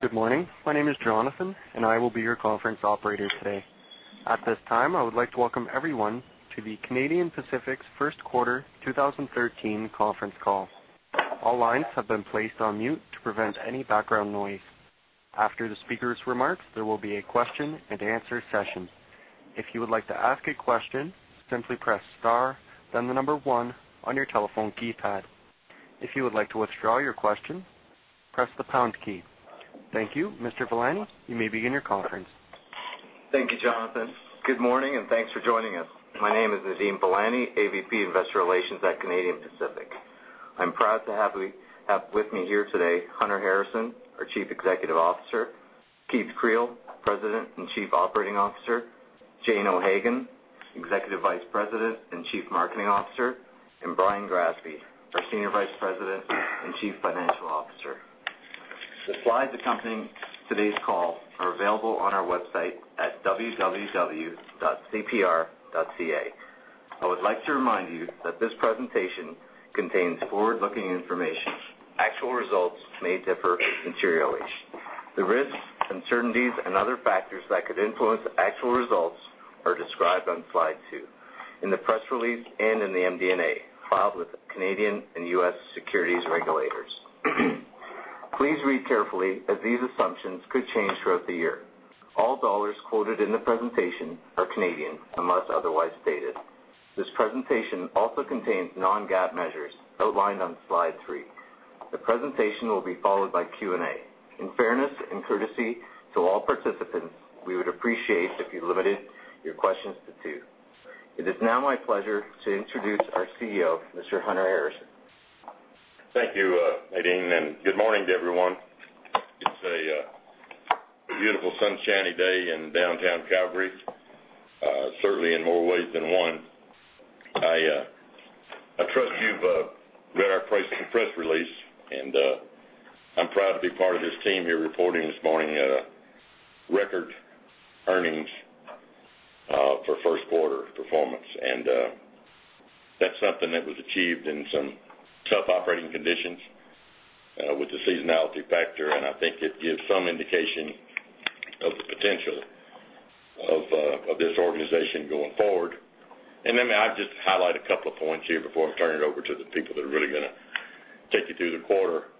Good morning. My name is Jonathan, and I will be your conference operator today. At this time, I would like to welcome everyone to the Canadian Pacific's first quarter 2013 conference call. All lines have been placed on mute to prevent any background noise. After the speaker's remarks, there will be a question-and-answer session. If you would like to ask a question, simply press * then the number 1 on your telephone keypad. If you would like to withdraw your question, press the pound key. Thank you. Mr. Velani, you may begin your conference. Thank you, Jonathan. Good morning, and thanks for joining us. My name is Nadeem Velani, AVP Investor Relations at Canadian Pacific. I'm proud to have with me here today Hunter Harrison, our Chief Executive Officer, Keith Creel, President and Chief Operating Officer, Jane O'Hagan, Executive Vice President and Chief Marketing Officer, and Brian Grassby, our Senior Vice President and Chief Financial Officer. The slides accompanying today's call are available on our website at www.cpr.ca. I would like to remind you that this presentation contains forward-looking information. Actual results may differ materially. The risks, uncertainties, and other factors that could influence actual results are described on slide two in the press release and in the MD&A filed with Canadian and U.S. securities regulators. Please read carefully, as these assumptions could change throughout the year. All dollars quoted in the presentation are Canadian unless otherwise stated. This presentation also contains non-GAAP measures outlined on slide three. The presentation will be followed by Q&A. In fairness and courtesy to all participants, we would appreciate if you limited your questions to two. It is now my pleasure to introduce our CEO, Mr. Hunter Harrison. Thank you, Nadeem, and good morning to everyone. It's a beautiful sunshiny day in downtown Calgary, certainly in more ways than one. I trust you've read our press release, and I'm proud to be part of this team here reporting this morning record earnings for first quarter performance. That's something that was achieved in some tough operating conditions with the seasonality factor, and I think it gives some indication of the potential of this organization going forward. Let me just highlight a couple of points here before I turn it over to the people that are really going to take you through the quarter.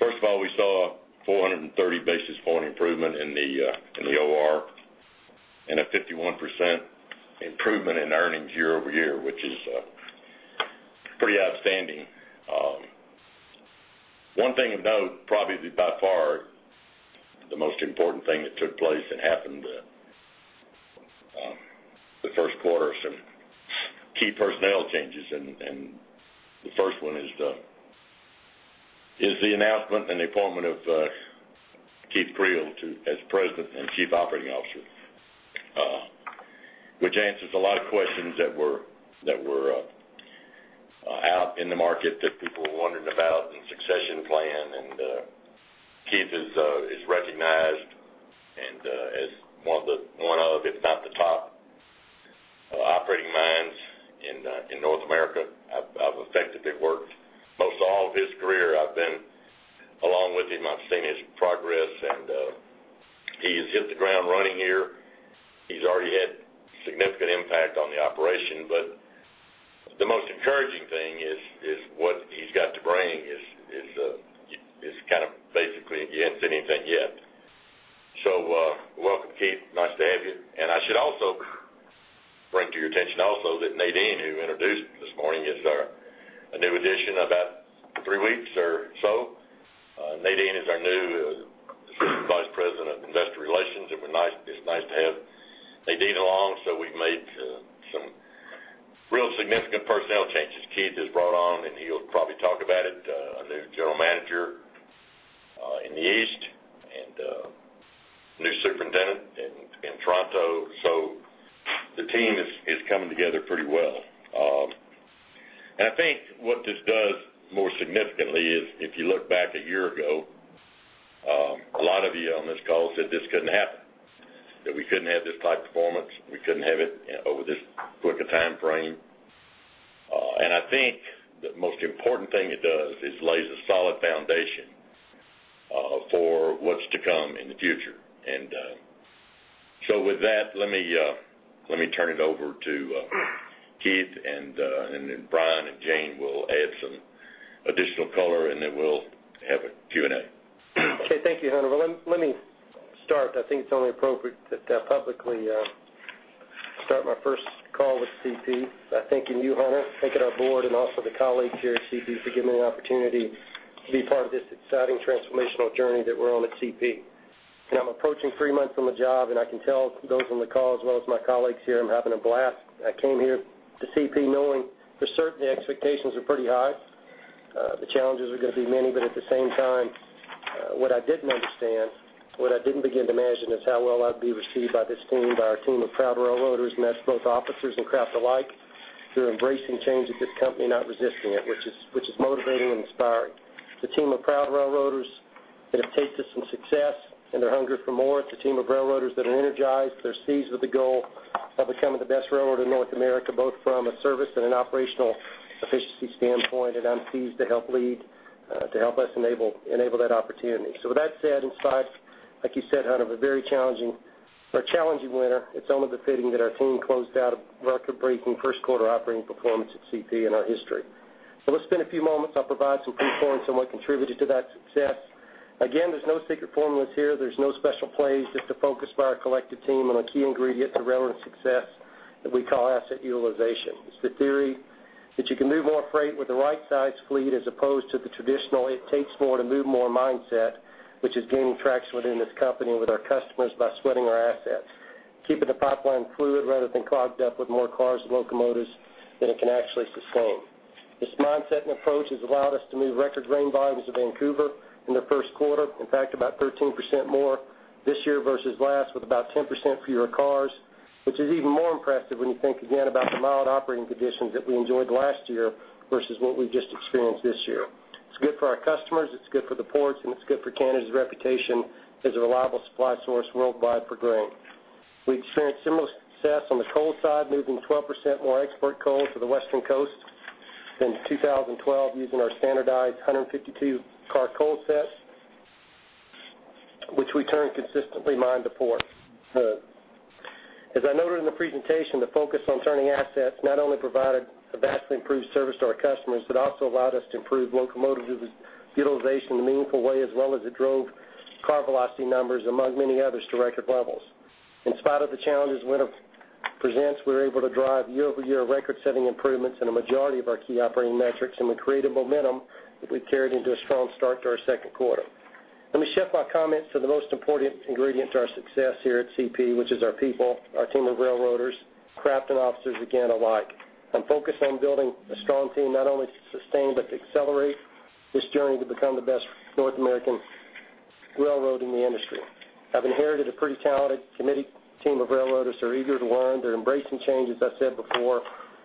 First of all, we saw 430 basis points improvement in the OR and a 51% improvement in earnings year-over-year, which is pretty outstanding. One thing of note, probably by far the most important thing that took place and happened the first quarter are some key personnel changes. The first one is the announcement and the appointment of Keith Creel as President and Chief Operating Officer, which answers a lot of questions that were out in the market that people were wondering about and succession plan. Keith is recognized as one of, if not the top, operating minds in North America. I've effectively worked most all of his career. I've been along with him. I've seen his progress, and he has hit the ground running here. He's already had significant impact on the operation, but the most encouraging thing is what he's got to bring. It's kind of basically, you haven't said anything yet. So welcome, Keith. Nice to have you. I should also bring to your attention also that Nadeem, who introduced this morning, is a new addition about three weeks or so. Nadeem is our new Assistant Vice President of Investor Relations, and it's nice to have Nadeem along. So we've made some real significant personnel changes. Keith is brought on, and he'll probably talk about it, a new general manager in the East and new superintendent in Toronto. So the team is coming together pretty well. And I think what this does more significantly is, if you look back a year ago, a lot of you on this call said this couldn't happen, that we couldn't have this type of performance. We couldn't have it over this quick a time frame. And I think the most important thing it does is lays a solid foundation for what's to come in the future. And so with that, let me turn it over to Keith, and then Brian and Jane will add some additional color, and then we'll have a Q&A. Okay. Thank you, Hunter. Well, let me start. I think it's only appropriate to publicly start my first call with CP. I'm thanking you, Hunter, thanking our board, and also the colleagues here at CP for giving me the opportunity to be part of this exciting transformational journey that we're on at CP. I'm approaching three months on the job, and I can tell those on the call as well as my colleagues here, I'm having a blast. I came here to CP knowing for certain the expectations are pretty high. The challenges are going to be many, but at the same time, what I didn't understand, what I didn't begin to imagine, is how well I'd be received by this team, by our team of proud railroaders, and that's both officers and craft alike. They're embracing change at this company, not resisting it, which is motivating and inspiring. It's a team of proud railroaders that have taken to some success and their hunger for more. It's a team of railroaders that are energized. They're seized with the goal of becoming the best railroad in North America, both from a service and an operational efficiency standpoint. I'm seized to help lead, to help us enable that opportunity. With that said, in spite, like you said, Hunter, of a very challenging winter, it's only befitting that our team closed out a record-breaking first quarter operating performance at CP in our history. Let's spend a few moments. I'll provide some brief points on what contributed to that success. Again, there's no secret formulas here. There's no special plays, just a focus by our collective team on a key ingredient to railroad success that we call asset utilization. It's the theory that you can move more freight with the right-sized fleet as opposed to the traditional "it takes more to move more" mindset, which is gaining traction within this company and with our customers by sweating our assets, keeping the pipeline fluid rather than clogged up with more cars and locomotives than it can actually sustain. This mindset and approach has allowed us to move record grain volumes in Vancouver in the first quarter, in fact, about 13% more this year versus last, with about 10% fewer cars, which is even more impressive when you think, again, about the mild operating conditions that we enjoyed last year versus what we've just experienced this year. It's good for our customers. It's good for the ports, and it's good for Canada's reputation as a reliable supply source worldwide for grain. We experienced similar success on the coal side, moving 12% more export coal to the western coast than 2012 using our standardized 152-car coal sets, which we turned consistently mine to port. As I noted in the presentation, the focus on turning assets not only provided a vastly improved service to our customers but also allowed us to improve locomotive utilization in a meaningful way, as well as it drove car velocity numbers, among many others, to record levels. In spite of the challenges winter presents, we were able to drive year-over-year record-setting improvements in a majority of our key operating metrics, and we created momentum that we carried into a strong start to our second quarter. Let me shift my comments to the most important ingredient to our success here at CP, which is our people, our team of railroaders, craft, and officers, again, alike. I'm focused on building a strong team not only to sustain but to accelerate this journey to become the best North American railroad in the industry. I've inherited a pretty talented committee team of railroaders. They're eager to learn. They're embracing changes, I said before.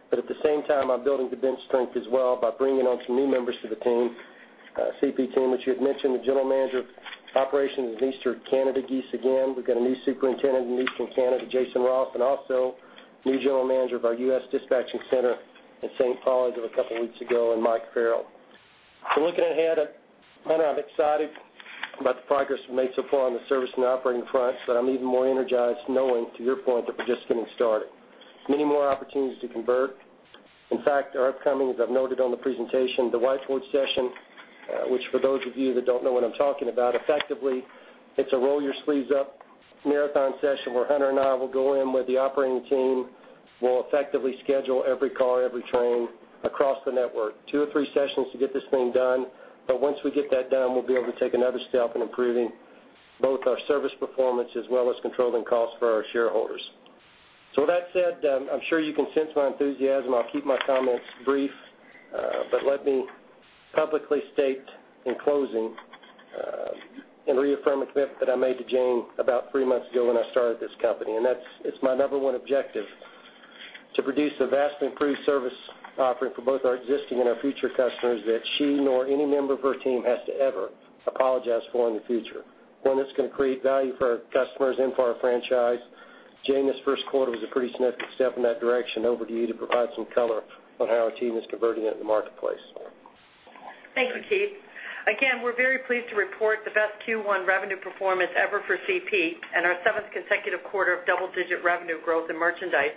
But at the same time, I'm building the bench strength as well by bringing on some new members to the CP team, which you had mentioned, the general manager of operations in Eastern Canada, Guido De Ciccio. We've got a new superintendent in Eastern Canada, Jason Ross, and also new general manager of our U.S. dispatching center in St. Paul as of a couple of weeks ago, and Mike Farrell. So looking ahead, Hunter, I'm excited about the progress we've made so far on the service and the operating front, but I'm even more energized knowing, to your point, that we're just getting started. Many more opportunities to convert. In fact, our upcoming, as I've noted on the presentation, the Whiteboard session, which for those of you that don't know what I'm talking about, effectively, it's a roll your sleeves up marathon session where Hunter and I will go in with the operating team. We'll effectively schedule every car, every train across the network, two or three sessions to get this thing done. But once we get that done, we'll be able to take another step in improving both our service performance as well as controlling costs for our shareholders. So with that said, I'm sure you can sense my enthusiasm. I'll keep my comments brief, but let me publicly state in closing and reaffirm a commitment that I made to Jane about three months ago when I started this company. It's my number one objective to produce a vastly improved service offering for both our existing and our future customers that she nor any member of her team has to ever apologize for in the future, one that's going to create value for our customers and for our franchise. Jane, this first quarter was a pretty significant step in that direction. Over to you to provide some color on how our team is converting it in the marketplace. Thank you, Keith. Again, we're very pleased to report the best Q1 revenue performance ever for CP and our seventh consecutive quarter of double-digit revenue growth in merchandise.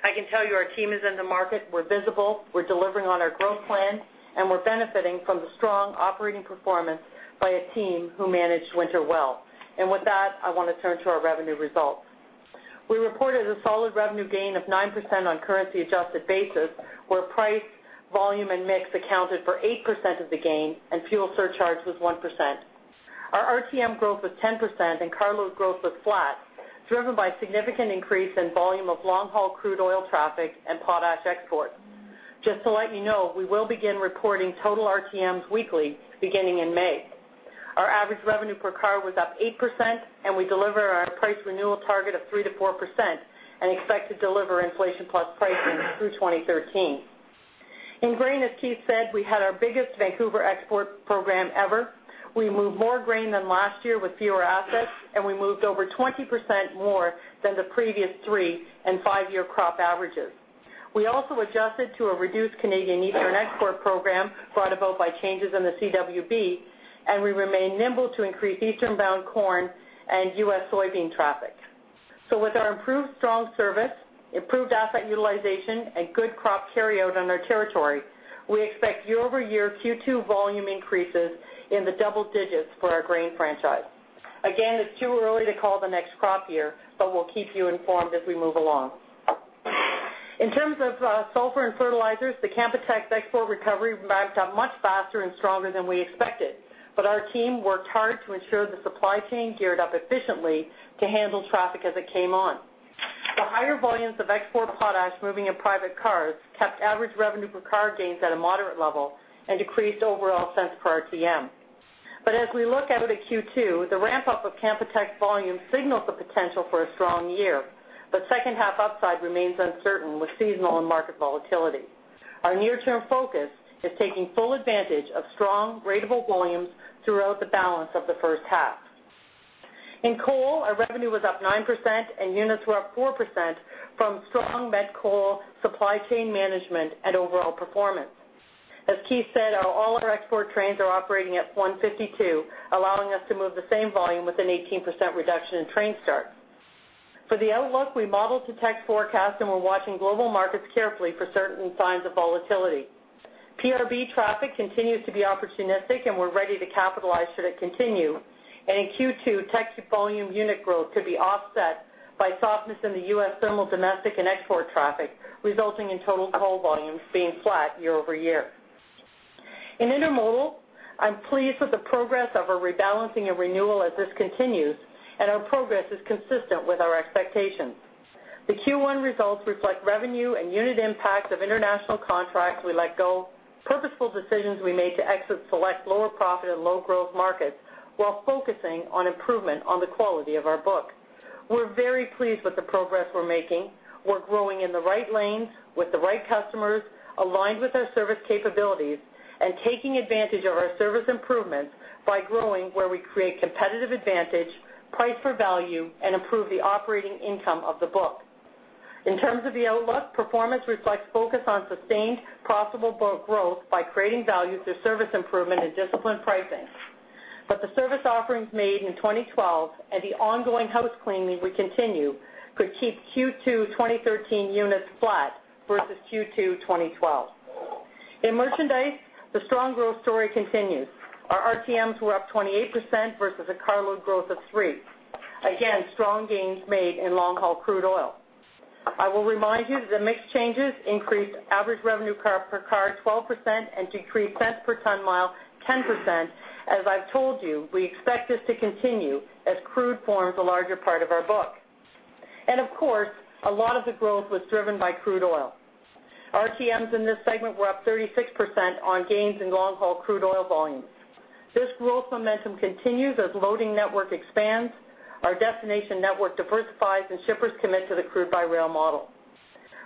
I can tell you our team is in the market. We're visible. We're delivering on our growth plan, and we're benefiting from the strong operating performance by a team who managed winter well. And with that, I want to turn to our revenue results. We reported a solid revenue gain of 9% on currency-adjusted basis, where price, volume, and mix accounted for 8% of the gain, and fuel surcharge was 1%. Our RTM growth was 10%, and carload growth was flat, driven by significant increase in volume of long-haul crude oil traffic and potash exports. Just to let you know, we will begin reporting total RTMs weekly beginning in May. Our average revenue per car was up 8%, and we deliver our price renewal target of 3%-4% and expect to deliver inflation-plus pricing through 2013. In grain, as Keith said, we had our biggest Vancouver export program ever. We moved more grain than last year with fewer assets, and we moved over 20% more than the previous 3- and 5-year crop averages. We also adjusted to a reduced Canadian Eastern Export program brought about by changes in the CWB, and we remained nimble to increase easternbound corn and U.S. soybean traffic. So with our improved strong service, improved asset utilization, and good crop carryout on our territory, we expect year-over-year Q2 volume increases in the double digits for our grain franchise. Again, it's too early to call the next crop year, but we'll keep you informed as we move along. In terms of sulfur and fertilizers, the Canpotex export recovery mapped out much faster and stronger than we expected, but our team worked hard to ensure the supply chain geared up efficiently to handle traffic as it came on. The higher volumes of export potash moving in private cars kept average revenue per car gains at a moderate level and decreased overall cents per RTM. But as we look out at Q2, the ramp-up of Canpotex volume signals the potential for a strong year, but second-half upside remains uncertain with seasonal and market volatility. Our near-term focus is taking full advantage of strong rateable volumes throughout the balance of the first half. In coal, our revenue was up 9%, and units were up 4% from strong met coal supply chain management and overall performance. As Keith said, all our export trains are operating at 152, allowing us to move the same volume with an 18% reduction in train starts. For the outlook, we modeled to Teck forecast, and we're watching global markets carefully for certain signs of volatility. PRB traffic continues to be opportunistic, and we're ready to capitalize should it continue. In Q2, Teck volume unit growth could be offset by softness in the U.S. thermal domestic and export traffic, resulting in total coal volumes being flat year-over-year. In intermodal, I'm pleased with the progress of our rebalancing and renewal as this continues, and our progress is consistent with our expectations. The Q1 results reflect revenue and unit impacts of international contracts we let go, purposeful decisions we made to exit select lower-profit and low-growth markets while focusing on improvement on the quality of our book. We're very pleased with the progress we're making. We're growing in the right lanes with the right customers, aligned with our service capabilities, and taking advantage of our service improvements by growing where we create competitive advantage, price for value, and improve the operating income of the book. In terms of the outlook, performance reflects focus on sustained profitable growth by creating value through service improvement and disciplined pricing. But the service offerings made in 2012 and the ongoing house cleaning we continue could keep Q2 2013 units flat versus Q2 2012. In merchandise, the strong growth story continues. Our RTMs were up 28% versus a carload growth of 3%. Again, strong gains made in long-haul crude oil. I will remind you that the mix changes increased average revenue per car 12% and decreased cents per ton mile 10%. As I've told you, we expect this to continue as crude forms a larger part of our book. Of course, a lot of the growth was driven by crude oil. RTMs in this segment were up 36% on gains in long-haul crude oil volumes. This growth momentum continues as loading network expands, our destination network diversifies, and shippers commit to the crude-by-rail model.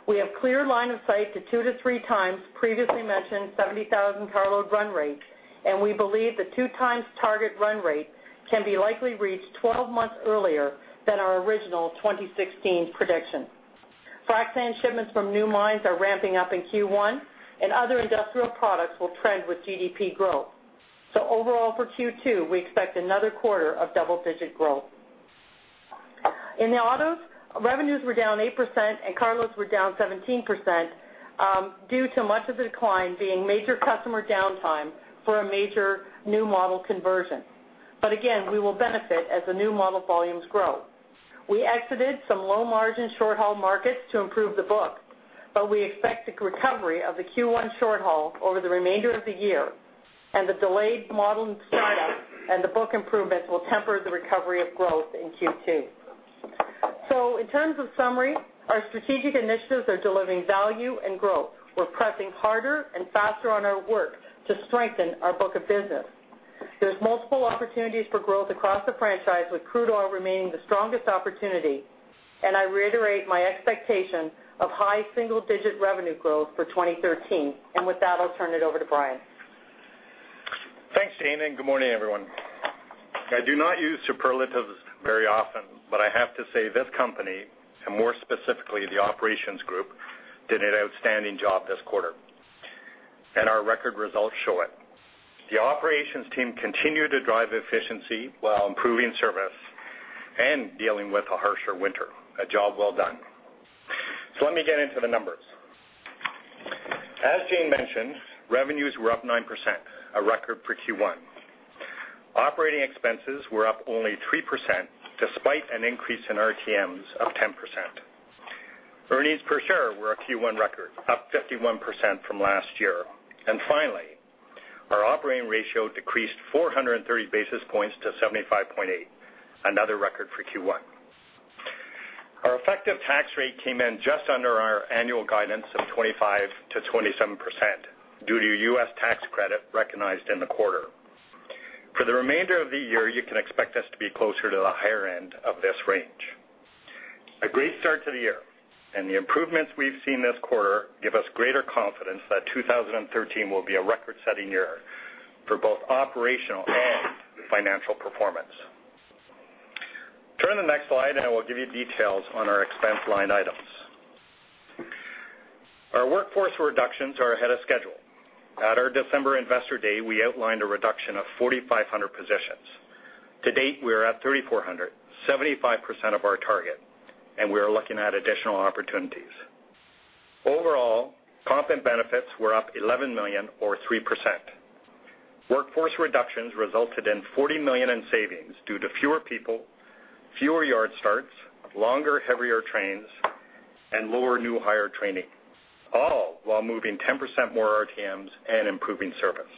We have clear line of sight to 2x-3x previously mentioned 70,000 carload run rate, and we believe the 2x target run rate can be likely reached 12 months earlier than our original 2016 prediction. Frac sand shipments from new mines are ramping up in Q1, and other industrial products will trend with GDP growth. Overall for Q2, we expect another quarter of double-digit growth. In the autos, revenues were down 8%, and carloads were down 17% due to much of the decline being major customer downtime for a major new model conversion. But again, we will benefit as the new model volumes grow. We exited some low-margin short-haul markets to improve the book, but we expect the recovery of the Q1 short-haul over the remainder of the year and the delayed model startup and the book improvements will temper the recovery of growth in Q2. So in terms of summary, our strategic initiatives are delivering value and growth. We're pressing harder and faster on our work to strengthen our book of business. There's multiple opportunities for growth across the franchise, with crude oil remaining the strongest opportunity. And I reiterate my expectation of high single-digit revenue growth for 2013. And with that, I'll turn it over to Brian. Thanks, Jane. And good morning, everyone. I do not use superlatives very often, but I have to say this company, and more specifically the operations group, did an outstanding job this quarter, and our record results show it. The operations team continued to drive efficiency while improving service and dealing with a harsher winter. A job well done. So let me get into the numbers. As Jane mentioned, revenues were up 9%, a record for Q1. Operating expenses were up only 3% despite an increase in RTMs of 10%. Earnings per share were a Q1 record, up 51% from last year. And finally, our operating ratio decreased 430 basis points to 75.8, another record for Q1. Our effective tax rate came in just under our annual guidance of 25%-27% due to U.S. tax credit recognized in the quarter. For the remainder of the year, you can expect us to be closer to the higher end of this range. A great start to the year, and the improvements we've seen this quarter give us greater confidence that 2013 will be a record-setting year for both operational and financial performance. Turn to the next slide, and I will give you details on our expense line items. Our workforce reductions are ahead of schedule. At our December investor day, we outlined a reduction of 4,500 positions. To date, we are at 3,400, 75% of our target, and we are looking at additional opportunities. Overall, comp and benefits were up $11 million or 3%. Workforce reductions resulted in $40 million in savings due to fewer people, fewer yard starts, longer, heavier trains, and lower new hire training, all while moving 10% more RTMs and improving service.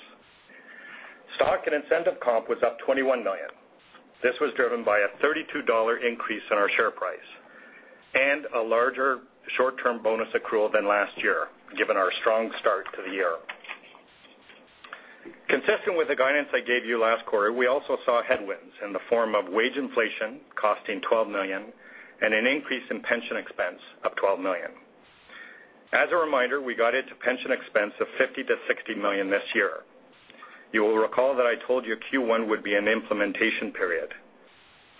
Stock and incentive comp was up $21 million. This was driven by a $32 increase in our share price and a larger short-term bonus accrual than last year, given our strong start to the year. Consistent with the guidance I gave you last quarter, we also saw headwinds in the form of wage inflation costing $12 million and an increase in pension expense of $12 million. As a reminder, we got into pension expense of $50-$60 million this year. You will recall that I told you Q1 would be an implementation period.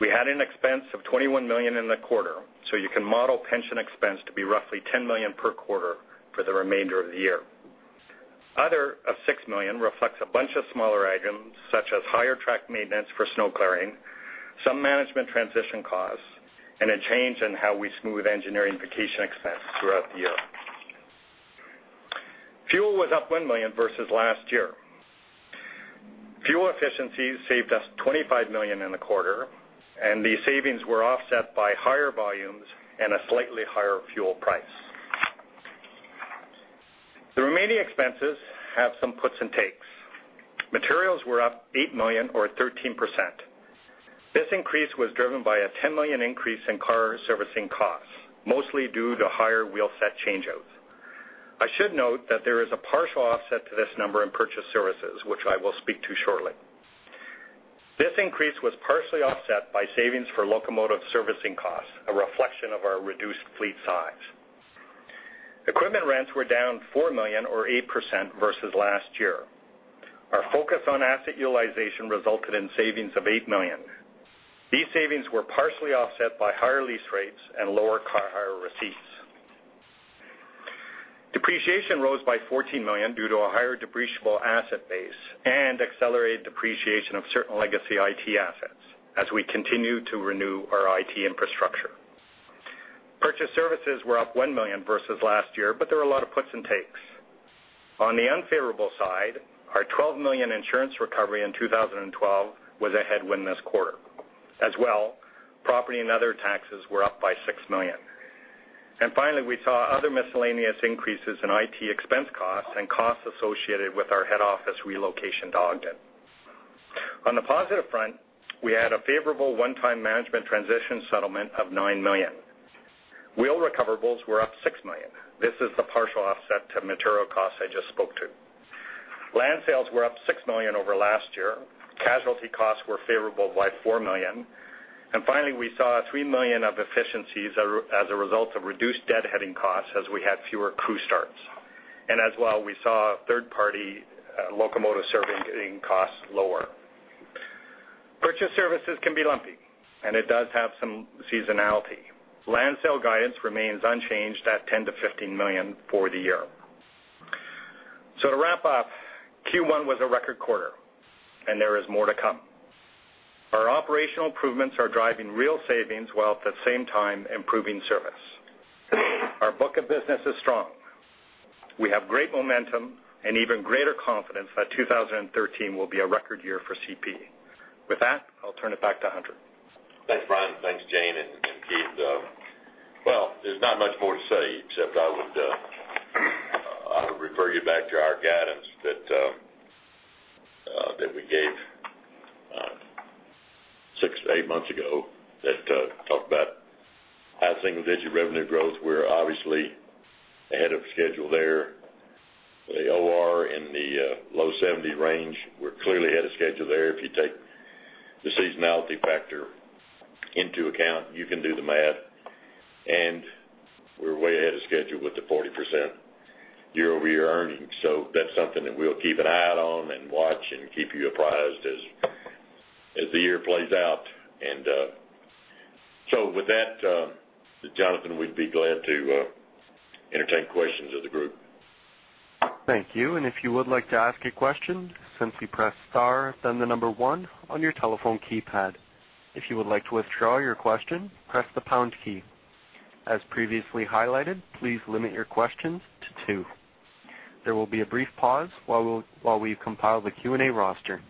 We had an expense of $21 million in the quarter, so you can model pension expense to be roughly $10 million per quarter for the remainder of the year. Other of $6 million reflects a bunch of smaller items such as higher track maintenance for snow clearing, some management transition costs, and a change in how we smooth engineering vacation expense throughout the year. Fuel was up $1 million versus last year. Fuel efficiencies saved us $25 million in the quarter, and the savings were offset by higher volumes and a slightly higher fuel price. The remaining expenses have some puts and takes. Materials were up $8 million or 13%. This increase was driven by a $10 million increase in car servicing costs, mostly due to higher wheelset changeouts. I should note that there is a partial offset to this number in purchased services, which I will speak to shortly. This increase was partially offset by savings for locomotive servicing costs, a reflection of our reduced fleet size. Equipment rents were down $4 million or 8% versus last year. Our focus on asset utilization resulted in savings of 8 million. These savings were partially offset by higher lease rates and lower car hire receipts. Depreciation rose by CAD 14 million due to a higher depreciable asset base and accelerated depreciation of certain legacy IT assets as we continue to renew our IT infrastructure. Purchased services were up 1 million versus last year, but there are a lot of puts and takes. On the unfavorable side, our 12 million insurance recovery in 2012 was a headwind this quarter. As well, property and other taxes were up by 6 million. And finally, we saw other miscellaneous increases in IT expense costs and costs associated with our head office relocation to Ogden. On the positive front, we had a favorable one-time management transition settlement of 9 million. Wheel recoverables were up 6 million. This is the partial offset to material costs I just spoke to. Land sales were up $6 million over last year. Casualty costs were favorable by $4 million. Finally, we saw $3 million of efficiencies as a result of reduced deadheading costs as we had fewer crew starts. As well, we saw third-party locomotive servicing costs lower. Purchased services can be lumpy, and it does have some seasonality. Land sale guidance remains unchanged at $10 million-$15 million for the year. To wrap up, Q1 was a record quarter, and there is more to come. Our operational improvements are driving real savings while at the same time improving service. Our book of business is strong. We have great momentum and even greater confidence that 2013 will be a record year for CP. With that, I'll turn it back to Hunter. Thanks, Brian. Thanks, Jane and Keith. Well, there's not much more to say except I would refer you back to our guidance that we gave 6-8 months ago that talked about high single-digit revenue growth. We're obviously ahead of schedule there. The OR in the low 70s range, we're clearly ahead of schedule there. If you take the seasonality factor into account, you can do the math. And we're way ahead of schedule with the 40% year-over-year earnings. So that's something that we'll keep an eye out on and watch and keep you apprised as the year plays out. And so with that, Jonathan, we'd be glad to entertain questions of the group. Thank you. And if you would like to ask a question, simply press star, then the number 1 on your telephone keypad. If you would like to withdraw your question, press the pound key. As previously highlighted, please limit your questions to two. There will be a brief pause while we compile the Q&A roster.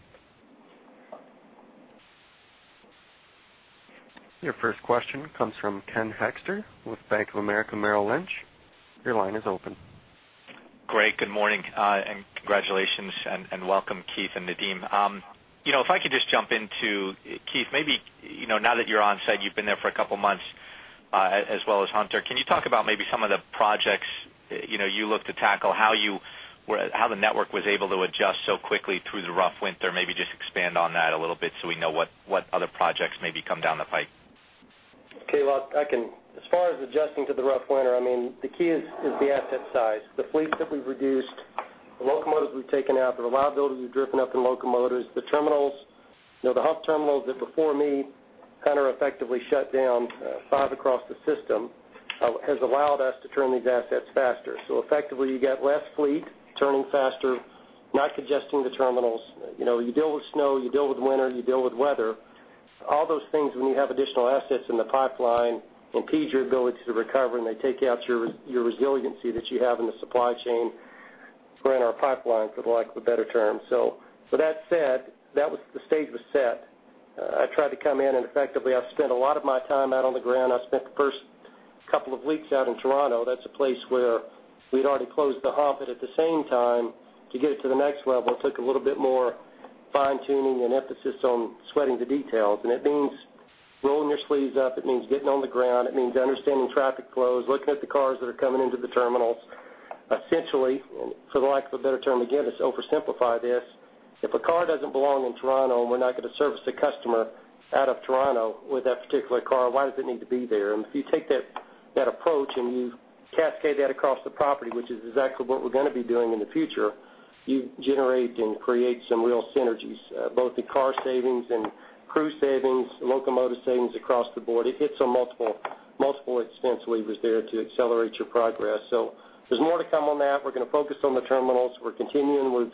Your first question comes from Ken Hoexter with Bank of America Merrill Lynch. Your line is open. Great. Good morning and congratulations, and welcome, Keith and Nadeem. If I could just jump into, Keith, maybe now that you're on site, you've been there for a couple of months as well as Hunter, can you talk about maybe some of the projects you looked to tackle, how the network was able to adjust so quickly through the rough winter? Maybe just expand on that a little bit so we know what other projects maybe come down the pike. Okay. Well, as far as adjusting to the rough winter, I mean, the key is the asset size. The fleets that we've reduced, the locomotives we've taken out, the reliability we've driven up in locomotives, the terminals, the hub terminals that before me kind of effectively shut down 5 across the system has allowed us to turn these assets faster. So effectively, you get less fleet turning faster, not congesting the terminals. You deal with snow, you deal with winter, you deal with weather. All those things, when you have additional assets in the pipeline, impede your ability to recover, and they take out your resiliency that you have in the supply chain or in our pipeline, for the lack of a better term. So with that said, the stage was set. I tried to come in, and effectively, I've spent a lot of my time out on the ground. I spent the first couple of weeks out in Toronto. That's a place where we'd already closed the hump. But at the same time, to get it to the next level, it took a little bit more fine-tuning and emphasis on sweating the details. And it means rolling your sleeves up. It means getting on the ground. It means understanding traffic flows, looking at the cars that are coming into the terminals. Essentially, for the lack of a better term, again, to oversimplify this, if a car doesn't belong in Toronto and we're not going to service a customer out of Toronto with that particular car, why does it need to be there? If you take that approach and you cascade that across the property, which is exactly what we're going to be doing in the future, you generate and create some real synergies, both in car savings and crew savings, locomotive savings across the board. It hits on multiple expense levers there to accelerate your progress. So there's more to come on that. We're going to focus on the terminals. We're continuing with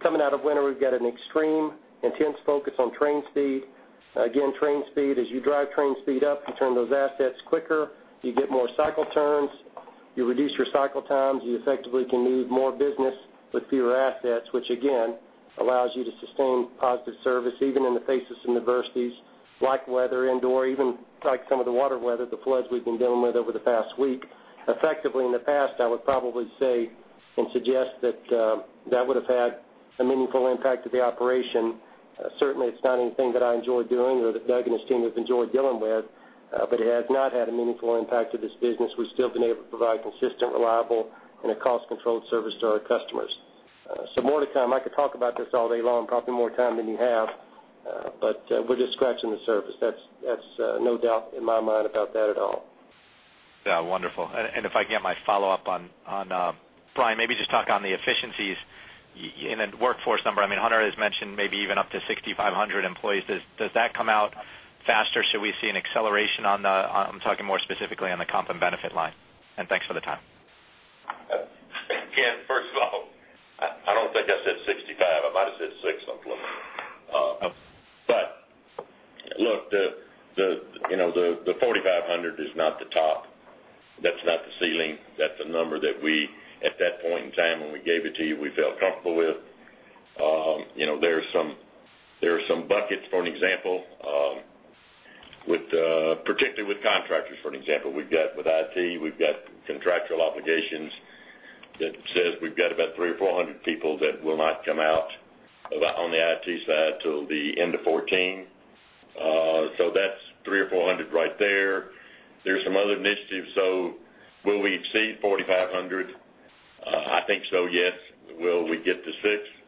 coming out of winter. We've got an extreme, intense focus on train speed. Again, train speed, as you drive train speed up, you turn those assets quicker. You get more cycle turns. You reduce your cycle times. You effectively can move more business with fewer assets, which again allows you to sustain positive service even in the face of some adversities like weather-induced, even like some of the wet weather, the floods we've been dealing with over the past week. Effectively, in the past, I would probably say and suggest that that would have had a meaningful impact to the operation. Certainly, it's not anything that I enjoy doing or that Doug and his team have enjoyed dealing with, but it has not had a meaningful impact to this business. We've still been able to provide consistent, reliable, and a cost-controlled service to our customers. So more to come. I could talk about this all day long, probably more time than you have, but we're just scratching the surface. That's no doubt in my mind about that at all. Yeah. Wonderful. And if I can get my follow-up on Brian, maybe just talk on the efficiencies in a workforce number. I mean, Hunter has mentioned maybe even up to 6,500 employees. Does that come out faster? Should we see an acceleration on the, I'm talking more specifically on the comp and benefit line. And thanks for the time. Again, first of all, I don't think I said 65. I might have said 6 months ago. But look, the 4,500 is not the top. That's not the ceiling. That's a number that we, at that point in time when we gave it to you, we felt comfortable with. There are some buckets, for an example, particularly with contractors, for an example. With IT, we've got contractual obligations that says we've got about 300 or 400 people that will not come out on the IT side till the end of 2014. So that's 300 or 400 right there. There's some other initiatives. So will we exceed 4,500? I think so, yes. Will we get to 6,000?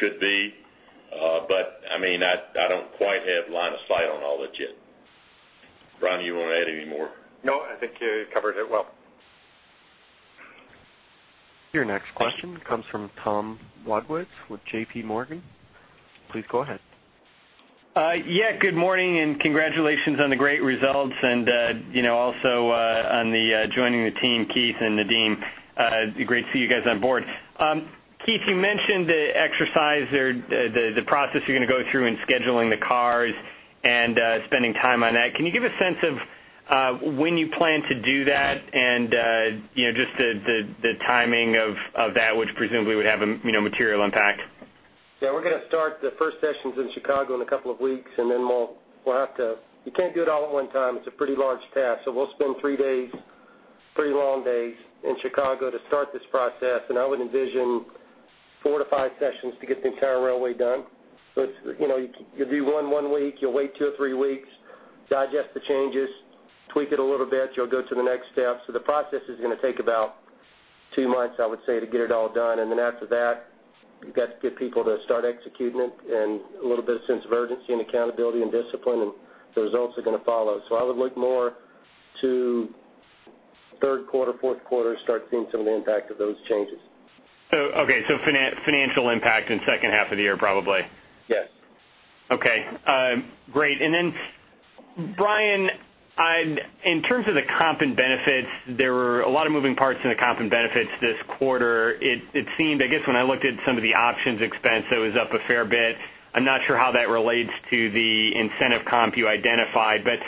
Could be. But I mean, I don't quite have line of sight on all that yet. Brian, do you want to add any more? No, I think you covered it well. Your next question comes from Tom Wadewitz with JPMorgan. Please go ahead. Yeah. Good morning and congratulations on the great results and also on joining the team, Keith and Nadeem. Great to see you guys on board. Keith, you mentioned the exercise or the process you're going to go through in scheduling the cars and spending time on that. Can you give a sense of when you plan to do that and just the timing of that, which presumably would have a material impact? Yeah. We're going to start the first sessions in Chicago in a couple of weeks, and then we'll have to. You can't do it all at one time. It's a pretty large task. So we'll spend 3 days, pretty long days in Chicago to start this process. And I would envision 4-5 sessions to get the entire railway done. So you'll do one week. You'll wait 2 or 3 weeks, digest the changes, tweak it a little bit. You'll go to the next step. So the process is going to take about 2 months, I would say, to get it all done. And then after that, you've got to get people to start executing it and a little bit of sense of urgency and accountability and discipline, and the results are going to follow. So I would look more to third quarter, fourth quarter, start seeing some of the impact of those changes. Okay. So financial impact in second half of the year, probably? Yes. Okay. Great. And then, Brian, in terms of the comp and benefits, there were a lot of moving parts in the comp and benefits this quarter. It seemed, I guess, when I looked at some of the options expense, it was up a fair bit. I'm not sure how that relates to the incentive comp you identified, but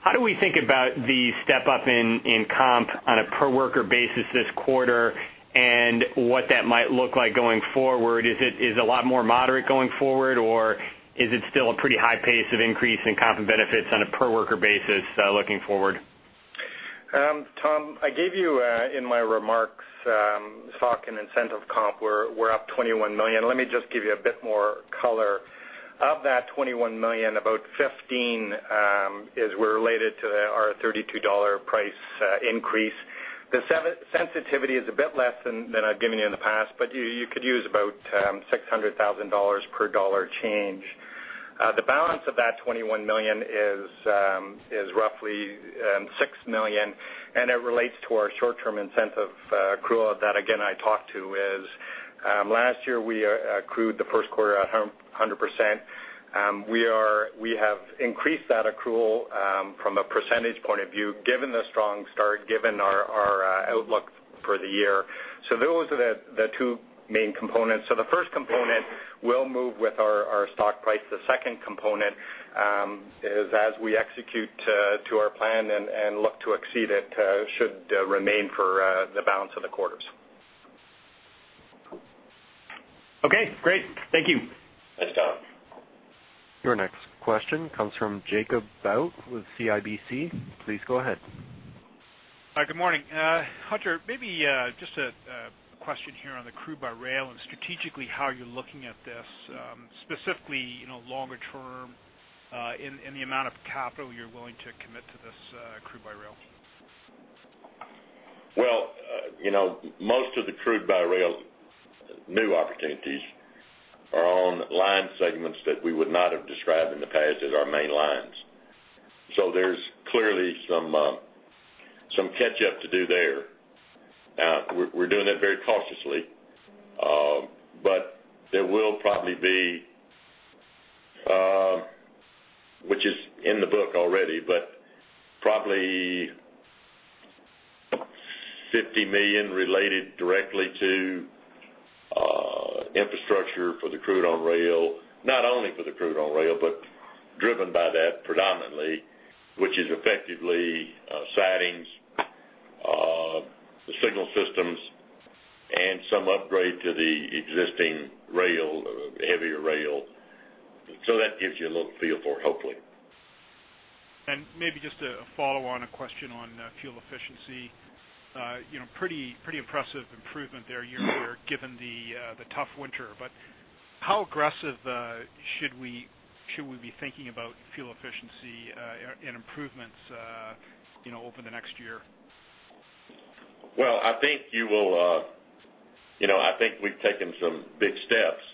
how do we think about the step up in comp on a per-worker basis this quarter and what that might look like going forward? Is it a lot more moderate going forward, or is it still a pretty high pace of increase in comp and benefits on a per-worker basis looking forward? Tom, I gave you in my remarks talking incentive comp, we're up $21 million. Let me just give you a bit more color. Of that $21 million, about $15 million is related to our $32 price increase. The sensitivity is a bit less than I've given you in the past, but you could use about $600,000 per dollar change. The balance of that $21 million is roughly $6 million, and it relates to our short-term incentive accrual that, again, I talked to. Last year, we accrued the first quarter at 100%. We have increased that accrual from a percentage point of view, given the strong start, given our outlook for the year. Those are the two main components. The first component, we'll move with our stock price. The second component is, as we execute to our plan and look to exceed it, should remain for the balance of the quarters. Okay. Great. Thank you. Thanks, Tom. Your next question comes from Jacob Bout with CIBC. Please go ahead. Good morning. Hunter, maybe just a question here on the crude-by-rail and strategically how you're looking at this, specifically longer-term in the amount of capital you're willing to commit to this crude-by-rail? Well, most of the crude-by-rail new opportunities are on line segments that we would not have described in the past as our main lines. So there's clearly some catch-up to do there. We're doing that very cautiously, but there will probably be, which is in the book already, but probably $50 million related directly to infrastructure for the crude-by-rail, not only for the crude-by-rail, but driven by that predominantly, which is effectively sidings, the signal systems, and some upgrade to the existing heavier rail. So that gives you a little feel for it, hopefully. Maybe just a follow-on question on fuel efficiency. Pretty impressive improvement there year-over-year given the tough winter. How aggressive should we be thinking about fuel efficiency and improvements over the next year? Well, I think you will. I think we've taken some big steps.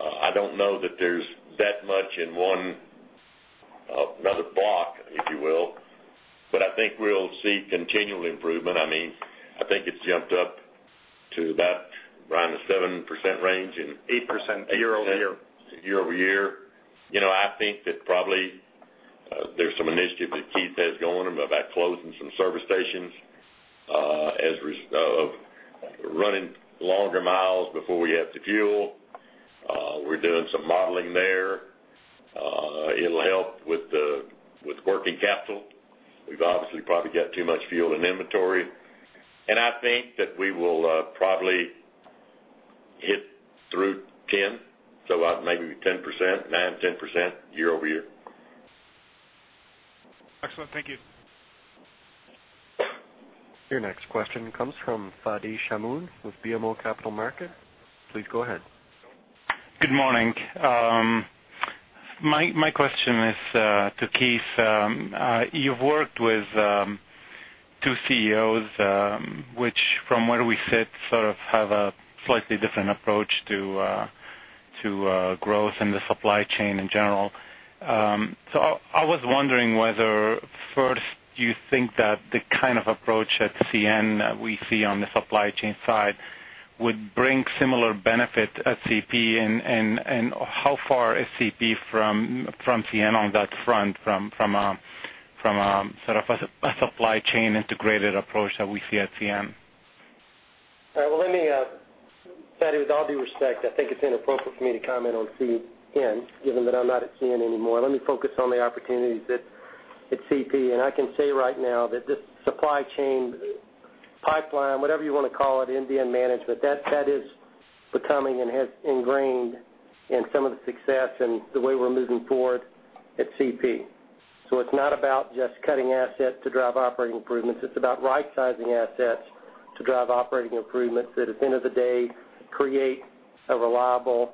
I don't know that there's that much in another block, if you will, but I think we'll see continual improvement. I mean, I think it's jumped up to that, Brian, the 7% range in. 8% year-over-year. Year-over-year. I think that probably there's some initiative that Keith has going about closing some service stations or running longer miles before we have to fuel. We're doing some modeling there. It'll help with working capital. We've obviously probably got too much fuel in inventory. I think that we will probably hit through 10, so maybe 10%, 9%-10% year-over-year. Excellent. Thank you. Your next question comes from Fadi Chamoun with BMO Capital Markets. Please go ahead. Good morning. My question is to Keith. You've worked with two CEOs, which from where we sit sort of have a slightly different approach to growth and the supply chain in general. So I was wondering whether first, do you think that the kind of approach at CN that we see on the supply chain side would bring similar benefit at CP, and how far is CP from CN on that front from sort of a supply chain integrated approach that we see at CN? Well, let me, Fadi, with all due respect, I think it's inappropriate for me to comment on CN given that I'm not at CN anymore. Let me focus on the opportunities at CP. And I can say right now that this supply chain pipeline, whatever you want to call it, in lean management, that is becoming and has ingrained in some of the success and the way we're moving forward at CP. So it's not about just cutting assets to drive operating improvements. It's about right-sizing assets to drive operating improvements that, at the end of the day, create a reliable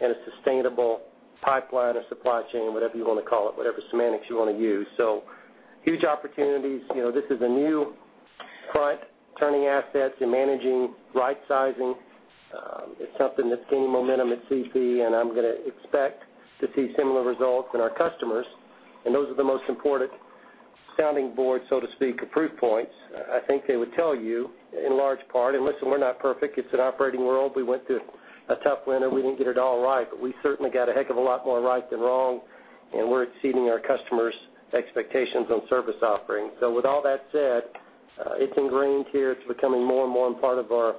and a sustainable pipeline or supply chain, whatever you want to call it, whatever semantics you want to use. So huge opportunities. This is a new front turning assets and managing right-sizing. It's something that's gaining momentum at CP, and I'm going to expect to see similar results in our customers. Those are the most important sounding boards, so to speak, or proof points. I think they would tell you in large part, and listen, we're not perfect. It's an operating world. We went through a tough winter. We didn't get it all right, but we certainly got a heck of a lot more right than wrong, and we're exceeding our customers' expectations on service offerings. So with all that said, it's ingrained here. It's becoming more and more part of our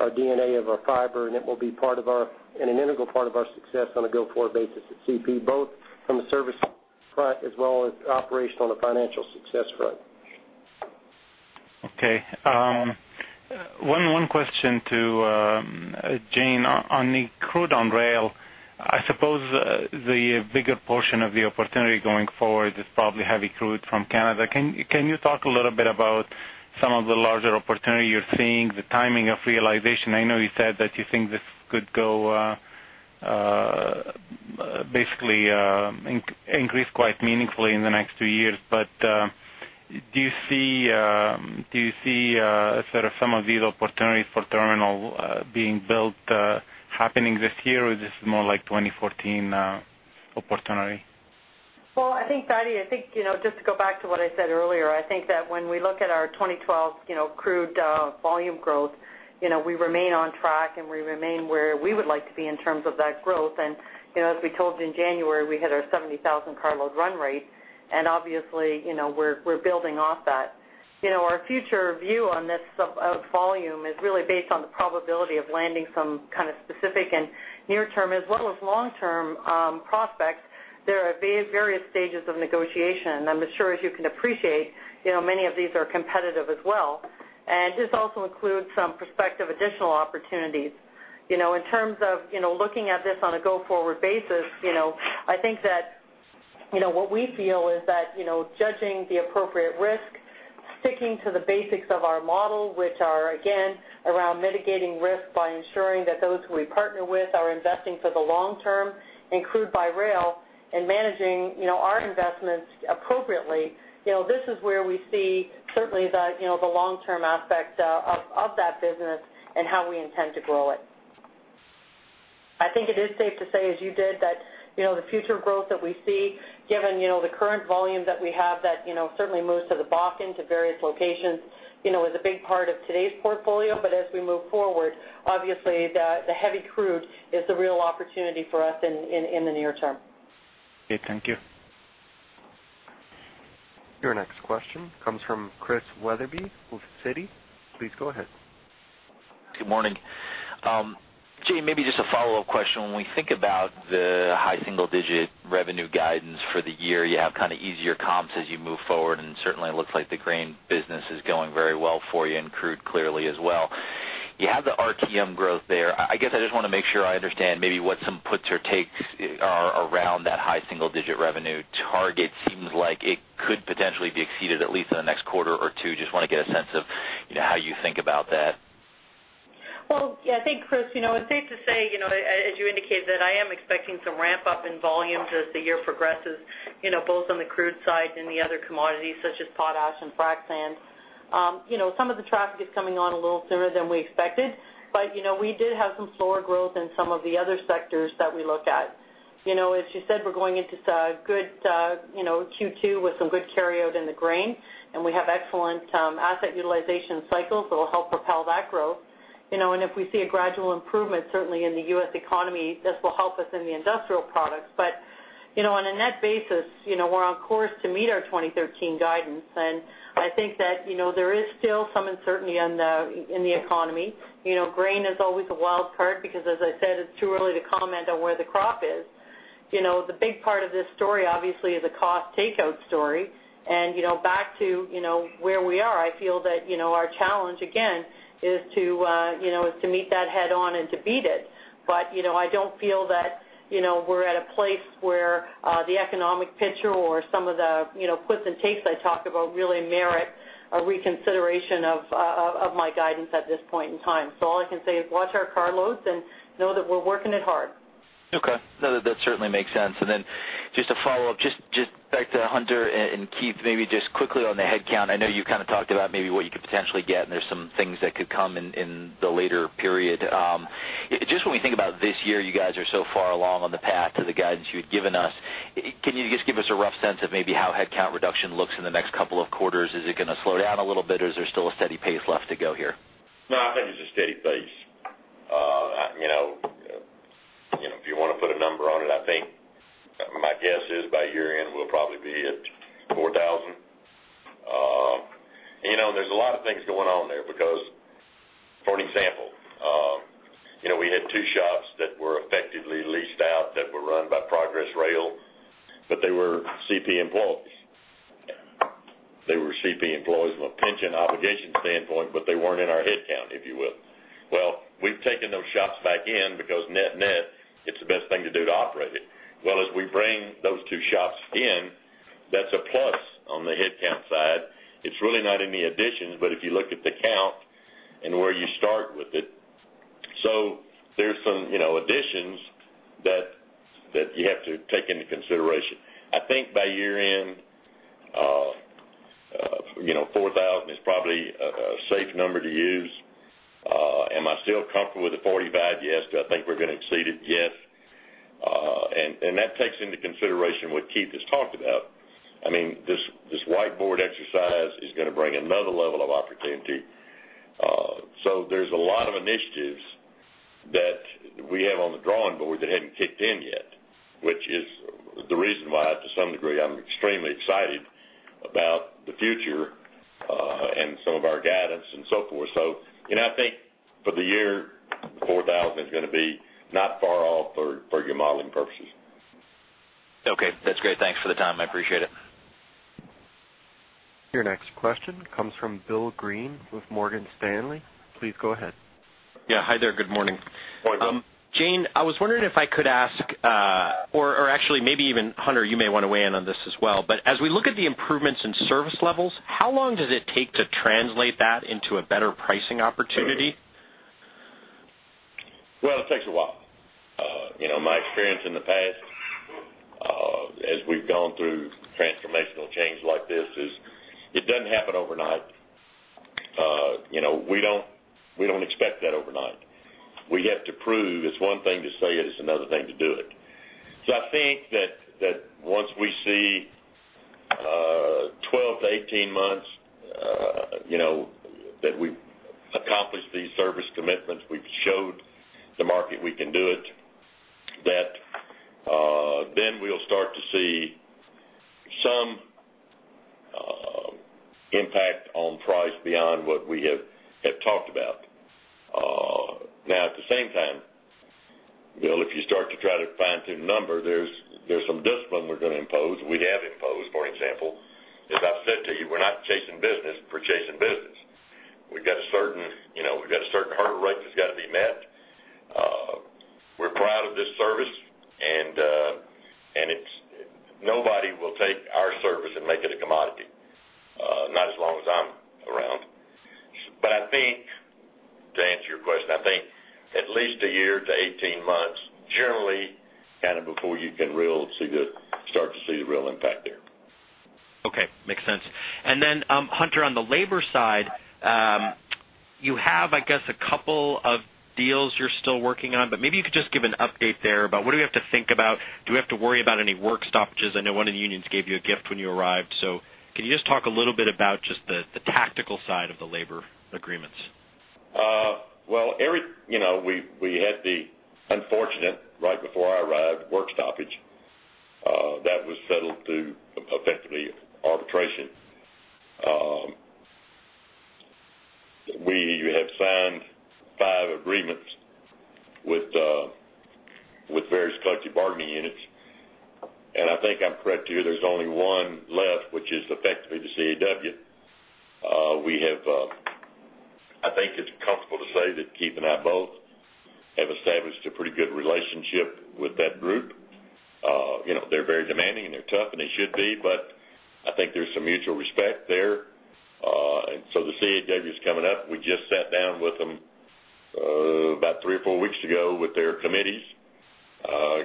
DNA of our fiber, and it will be an integral part of our success on a go-forward basis at CP, both from a service front as well as operational and financial success front. Okay. One question to Jane. On the crude-by-rail, I suppose the bigger portion of the opportunity going forward is probably heavy crude from Canada. Can you talk a little bit about some of the larger opportunity you're seeing, the timing of realization? I know you said that you think this could go basically increase quite meaningfully in the next two years, but do you see sort of some of these opportunities for terminal being built happening this year, or this is more like 2014 opportunity? Well, I think, Fadi, I think just to go back to what I said earlier, I think that when we look at our 2012 crude volume growth, we remain on track, and we remain where we would like to be in terms of that growth. And as we told you in January, we had our 70,000 car-load run rate, and obviously, we're building off that. Our future view on this volume is really based on the probability of landing some kind of specific and near-term as well as long-term prospects. There are various stages of negotiation, and I'm sure, as you can appreciate, many of these are competitive as well. And this also includes some prospective additional opportunities. In terms of looking at this on a go-forward basis, I think that what we feel is that judging the appropriate risk, sticking to the basics of our model, which are, again, around mitigating risk by ensuring that those who we partner with are investing for the long-term and crude-by-rail and managing our investments appropriately, this is where we see certainly the long-term aspect of that business and how we intend to grow it. I think it is safe to say, as you did, that the future growth that we see, given the current volume that we have that certainly moves to the Bakken to various locations, is a big part of today's portfolio. But as we move forward, obviously, the heavy crude is the real opportunity for us in the near term. Okay. Thank you. Your next question comes from Chris Wetherbee with Citi. Please go ahead. Good morning. Jane, maybe just a follow-up question. When we think about the high single-digit revenue guidance for the year, you have kind of easier comps as you move forward, and certainly, it looks like the grain business is going very well for you and crude clearly as well. You have the RTM growth there. I guess I just want to make sure I understand maybe what some puts or takes are around that high single-digit revenue target. Seems like it could potentially be exceeded at least in the next quarter or two. Just want to get a sense of how you think about that. Well, yeah, I think, Chris, it's safe to say, as you indicated, that I am expecting some ramp-up in volume as the year progresses, both on the crude side and the other commodities such as potash and frac sand. Some of the traffic is coming on a little sooner than we expected, but we did have some slower growth in some of the other sectors that we look at. As you said, we're going into good Q2 with some good carryover in the grain, and we have excellent asset utilization cycles that will help propel that growth. And if we see a gradual improvement, certainly, in the U.S. economy, this will help us in the industrial products. But on a net basis, we're on course to meet our 2013 guidance, and I think that there is still some uncertainty in the economy. Grain is always a wild card because, as I said, it's too early to comment on where the crop is. The big part of this story, obviously, is a cost takeout story. Back to where we are, I feel that our challenge, again, is to meet that head-on and to beat it. But I don't feel that we're at a place where the economic picture or some of the puts and takes I talk about really merit a reconsideration of my guidance at this point in time. So all I can say is watch our car loads and know that we're working it hard. Okay. No, that certainly makes sense. Then just a follow-up, just back to Hunter and Keith, maybe just quickly on the headcount. I know you kind of talked about maybe what you could potentially get, and there's some things that could come in the later period. Just when we think about this year, you guys are so far along on the path to the guidance you had given us. Can you just give us a rough sense of maybe how headcount reduction looks in the next couple of quarters? Is it going to slow down a little bit, or is there still a steady pace left to go here? No, I think it's a steady pace. If you want to put a number on it, I think my guess is by year-end, we'll probably be at 4,000. And there's a lot of things going on there because, for an example, we had two shops that were effectively leased out that were run by Progress Rail, but they were CP employees. They were CP employees from a pension obligation standpoint, but they weren't in our headcount, if you will. Well, we've taken those shops back in because, net-net, it's the best thing to do to operate it. Well, as we bring those two shops in, that's a plus on the headcount side. It's really not any additions, but if you look at the count and where you start with it. So there's some additions that you have to take into consideration. I think by year-end, 4,000 is probably a safe number to use. Am I still comfortable with the 45? Yes. Do I think we're going to exceed it? Yes. And that takes into consideration what Keith has talked about. I mean, this whiteboard exercise is going to bring another level of opportunity. So there's a lot of initiatives that we have on the drawing board that hadn't kicked in yet, which is the reason why, to some degree, I'm extremely excited about the future and some of our guidance and so forth. So I think for the year, 4,000 is going to be not far off for your modeling purposes. Okay. That's great. Thanks for the time. I appreciate it. Your next question comes from William Greene with Morgan Stanley. Please go ahead. Yeah. Hi there. Good morning. Morning. Jane, I was wondering if I could ask or actually, maybe even Hunter, you may want to weigh in on this as well. But as we look at the improvements in service levels, how long does it take to translate that into a better pricing opportunity? Well, it takes a while. My experience in the past, as we've gone through transformational change like this, is it doesn't happen overnight. We don't expect that overnight. We have to prove. It's one thing to say it. It's another thing to do it. So I think that once we see 12-18 months that we've accomplished these service commitments, we've showed the market we can do it, then we'll start to see some impact on price beyond what we have talked about. Now, at the same time, Bill, if you start to try to fine-tune the number, there's some discipline we're going to impose. We have imposed, for example. As I've said to you, we're not chasing business for chasing business. We've got a certain hurdle rate that's got to be met. We're proud of this service, and nobody will take our service and make it a commodity, not as long as I'm around. But to answer your question, I think at least a year to 18 months, generally. Kind of before you can real see the start to see the real impact there. Okay. Makes sense. And then, Hunter, on the labor side, you have, I guess, a couple of deals you're still working on, but maybe you could just give an update there about what do we have to think about? Do we have to worry about any work stoppages? I know one of the unions gave you a gift when you arrived. So can you just talk a little bit about just the tactical side of the labor agreements? Well, we had the unfortunate right before I arrived work stoppage that was settled through effectively arbitration. We have signed five agreements with various collective bargaining units. And I think I'm correct here. There's only one left, which is effectively the CAW. I think it's comfortable to say that Keith and I both have established a pretty good relationship with that group. They're very demanding, and they're tough, and they should be. But I think there's some mutual respect there. And so the CAW is coming up. We just sat down with them about three or four weeks ago with their committees,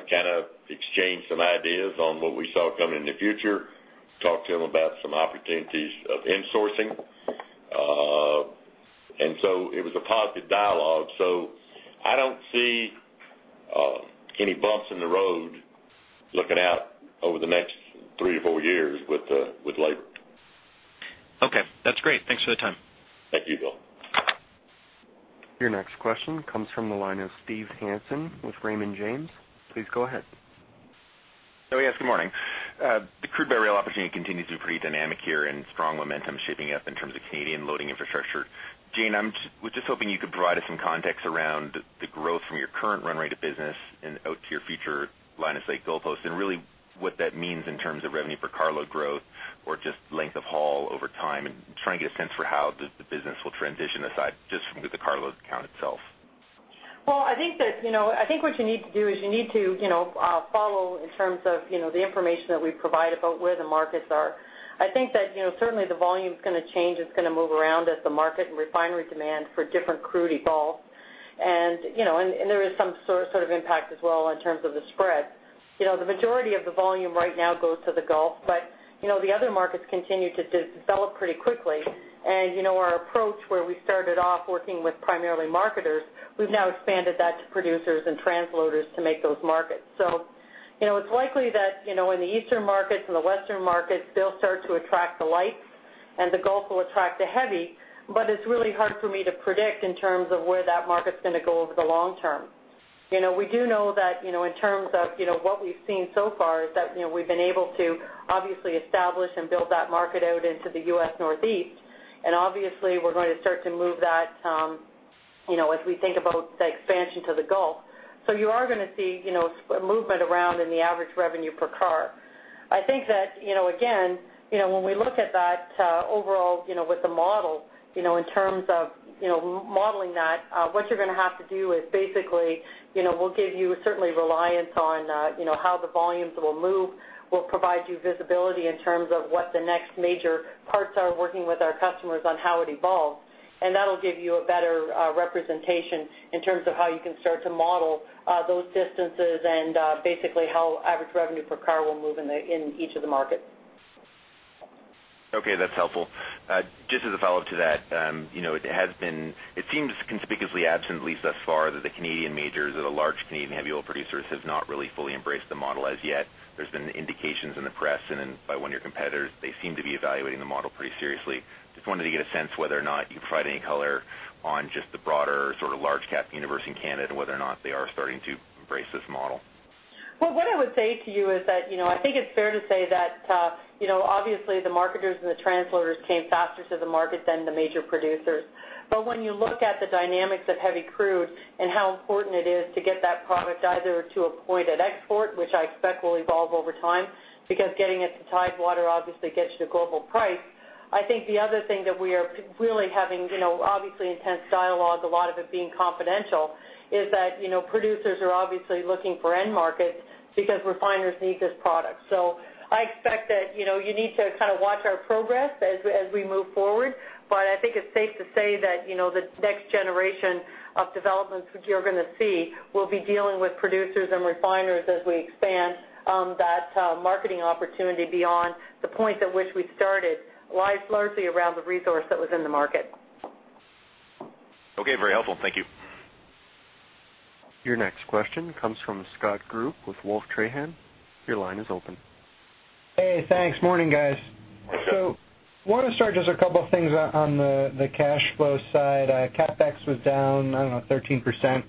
kind of exchanged some ideas on what we saw coming in the future, talked to them about some opportunities of insourcing. And so it was a positive dialogue. So I don't see any bumps in the road looking out over the next three or four years with labor. Okay. That's great. Thanks for the time. Thank you, Bill. Your next question comes from the line of Steve Hansen with Raymond James. Please go ahead. Oh, yes. Good morning. The crude-by-rail opportunity continues to be pretty dynamic here and strong momentum shaping up in terms of Canadian loading infrastructure. Jane, I was just hoping you could provide us some context around the growth from your current run rate of business and out to your future line of sight goalposts and really what that means in terms of revenue per carload growth or just length of haul over time and trying to get a sense for how the business will transition aside just from the carload count itself. Well, I think that I think what you need to do is you need to follow in terms of the information that we provide about where the markets are. I think that certainly, the volume's going to change. It's going to move around as the market and refinery demand for different crude evolves. And there is some sort of impact as well in terms of the spread. The majority of the volume right now goes to the Gulf, but the other markets continue to develop pretty quickly. And our approach where we started off working with primarily marketers, we've now expanded that to producers and transloaders to make those markets. So it's likely that in the Eastern markets and the Western markets, they'll start to attract the light, and the Gulf will attract the heavy. But it's really hard for me to predict in terms of where that market's going to go over the long term. We do know that in terms of what we've seen so far is that we've been able to, obviously, establish and build that market out into the U.S. Northeast. And obviously, we're going to start to move that as we think about the expansion to the Gulf. So you are going to see movement around in the average revenue per car. I think that, again, when we look at that overall with the model in terms of modeling that, what you're going to have to do is basically, we'll give you certainly reliance on how the volumes will move. We'll provide you visibility in terms of what the next major parts are working with our customers on how it evolves. That'll give you a better representation in terms of how you can start to model those distances and basically how average revenue per car will move in each of the markets. Okay. That's helpful. Just as a follow-up to that, it seems conspicuously absent, at least thus far, that the Canadian majors or the large Canadian heavy oil producers have not really fully embraced the model as yet. There's been indications in the press and by one of your competitors. They seem to be evaluating the model pretty seriously. Just wanted to get a sense whether or not you can provide any color on just the broader sort of large-cap universe in Canada and whether or not they are starting to embrace this model. Well, what I would say to you is that I think it's fair to say that, obviously, the marketers and the transloaders came faster to the market than the major producers. But when you look at the dynamics of heavy crude and how important it is to get that product either to a point at export, which I expect will evolve over time because getting it to tidewater, obviously, gets you to global price, I think the other thing that we are really having, obviously, intense dialogue, a lot of it being confidential, is that producers are obviously looking for end markets because refiners need this product. So I expect that you need to kind of watch our progress as we move forward. I think it's safe to say that the next generation of developments you're going to see will be dealing with producers and refiners as we expand that marketing opportunity beyond the point at which we started, lies largely around the resource that was in the market. Okay. Very helpful. Thank you. Your next question comes from Scott Group with Wolfe Research. Your line is open. Hey. Thanks. Morning, guys. So I want to start just a couple of things on the cash flow side. CapEx was down, I don't know,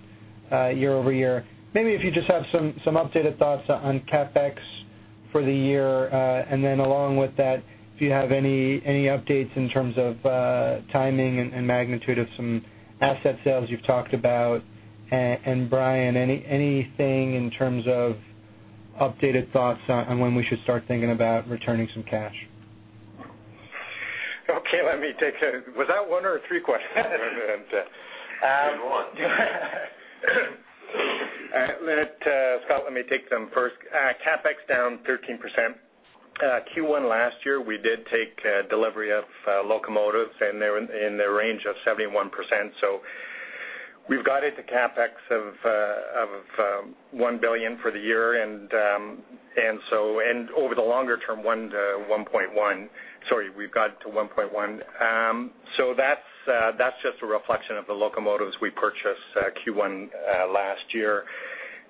13% year-over-year. Maybe if you just have some updated thoughts on CapEx for the year? And then along with that, if you have any updates in terms of timing and magnitude of some asset sales you've talked about? And Brian, anything in terms of updated thoughts on when we should start thinking about returning some cash? Okay. Let me take that. Was that one or three questions? Good one. All right. Scott, let me take them first. CapEx down 13%. Q1 last year, we did take delivery of locomotives, and they're in the range of 71%. So we've got it to CapEx of $1 billion for the year. And over the longer term, $1.1 billion. Sorry. We've got to $1.1 billion. So that's just a reflection of the locomotives we purchased Q1 last year.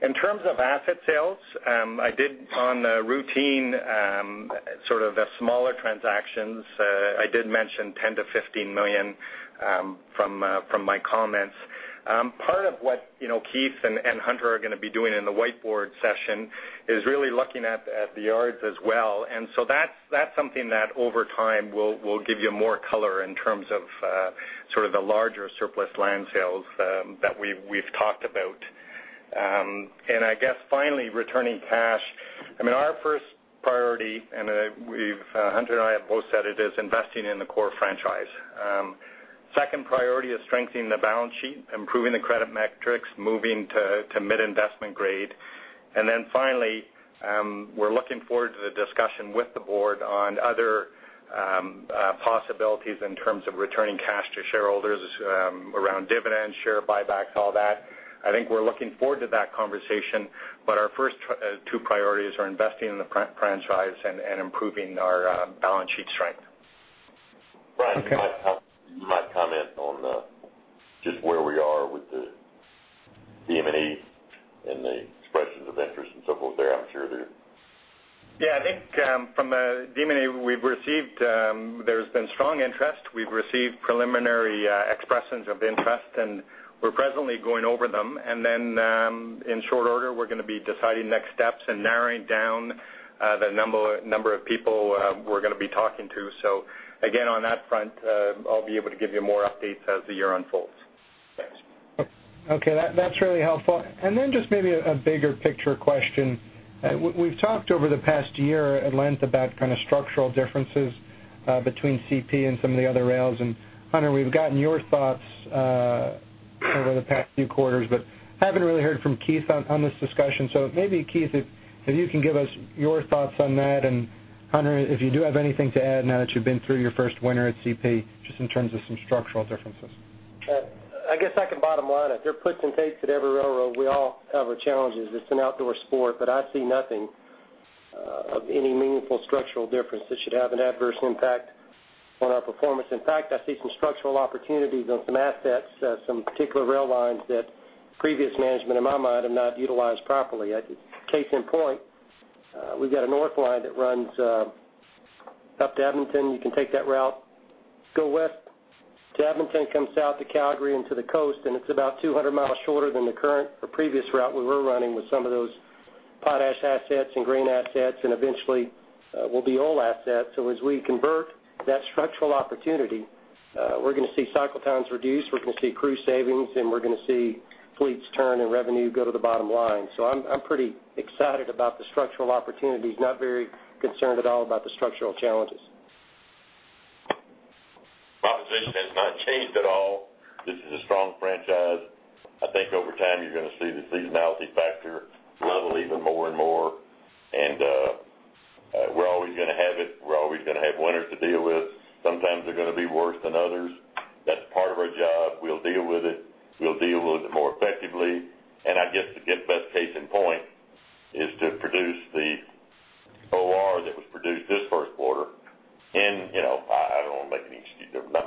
In terms of asset sales, I did on the routine sort of the smaller transactions, I did mention $10 million-$15 million from my comments. Part of what Keith and Hunter are going to be doing in the whiteboard session is really looking at the yards as well. And so that's something that, over time, will give you more color in terms of sort of the larger surplus land sales that we've talked about. And I guess, finally, returning cash. I mean, our first priority, and Hunter and I have both said it, is investing in the core franchise. Second priority is strengthening the balance sheet, improving the credit metrics, moving to mid-investment grade. And then finally, we're looking forward to the discussion with the board on other possibilities in terms of returning cash to shareholders around dividends, share buybacks, all that. I think we're looking forward to that conversation. But our first two priorities are investing in the franchise and improving our balance sheet strength. Brian, you might comment on just where we are with the DM&E and the expressions of interest and so forth there. I'm sure they're. Yeah. I think from the DM&E, there's been strong interest. We've received preliminary expressions of interest, and we're presently going over them. And then in short order, we're going to be deciding next steps and narrowing down the number of people we're going to be talking to. So again, on that front, I'll be able to give you more updates as the year unfolds. Thanks. Okay. That's really helpful. And then just maybe a bigger picture question. We've talked over the past year at length about kind of structural differences between CP and some of the other rails. And Hunter, we've gotten your thoughts over the past few quarters but haven't really heard from Keith on this discussion. So maybe, Keith, if you can give us your thoughts on that. And Hunter, if you do have anything to add now that you've been through your first winter at CP just in terms of some structural differences. I guess I can bottom line it. There are puts and takes at every railroad. We all have our challenges. It's an outdoor sport, but I see nothing of any meaningful structural difference that should have an adverse impact on our performance. In fact, I see some structural opportunities on some assets, some particular rail lines that previous management, in my mind, have not utilized properly. Case in point, we've got a North Line that runs up to Edmonton. You can take that route. Go west to Edmonton comes south to Calgary and to the coast, and it's about 200 miles shorter than the current or previous route we were running with some of those potash assets and grain assets and eventually will be oil assets. So as we convert that structural opportunity, we're going to see cycle times reduced. We're going to see crew savings, and we're going to see fleets turn and revenue go to the bottom line. So I'm pretty excited about the structural opportunities, not very concerned at all about the structural challenges. Proposition has not changed at all. This is a strong franchise. I think over time, you're going to see the seasonality factor level even more and more. And we're always going to have it. We're always going to have winters to deal with. Sometimes they're going to be worse than others. That's part of our job. We'll deal with it. We'll deal with it more effectively. And I guess to get best case in point is to produce the OR that was produced this first quarter. I don't want to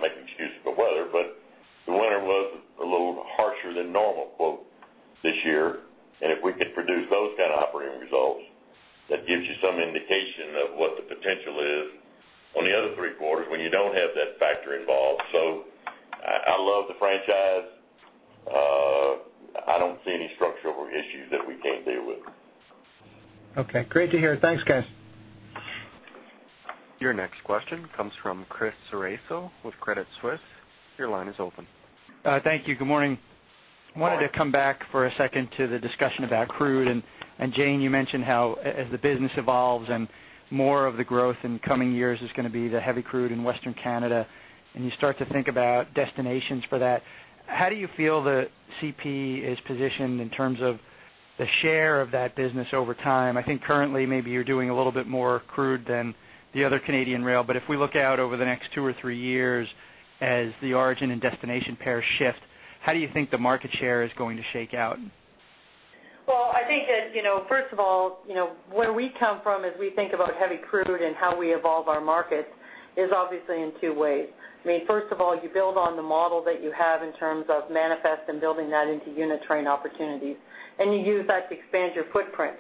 make an excuse about weather, but the winter was a little harsher than normal this year. And if we could produce those kind of operating results, that gives you some indication of what the potential is on the other three quarters when you don't have that factor involved. So I love the franchise. I don't see any structural issues that we can't deal with. Okay. Great to hear. Thanks, guys. Your next question comes from Chris Ceraso with Credit Suisse. Your line is open. Thank you. Good morning. Wanted to come back for a second to the discussion about crude. And Jane, you mentioned how as the business evolves and more of the growth in coming years is going to be the heavy crude in Western Canada, and you start to think about destinations for that. How do you feel the CP is positioned in terms of the share of that business over time? I think currently, maybe you're doing a little bit more crude than the other Canadian rail. But if we look out over the next two or three years as the origin and destination pairs shift, how do you think the market share is going to shake out? Well, I think that, first of all, where we come from as we think about heavy crude and how we evolve our markets is obviously in two ways. I mean, first of all, you build on the model that you have in terms of manifest and building that into unit train opportunities. And you use that to expand your footprint.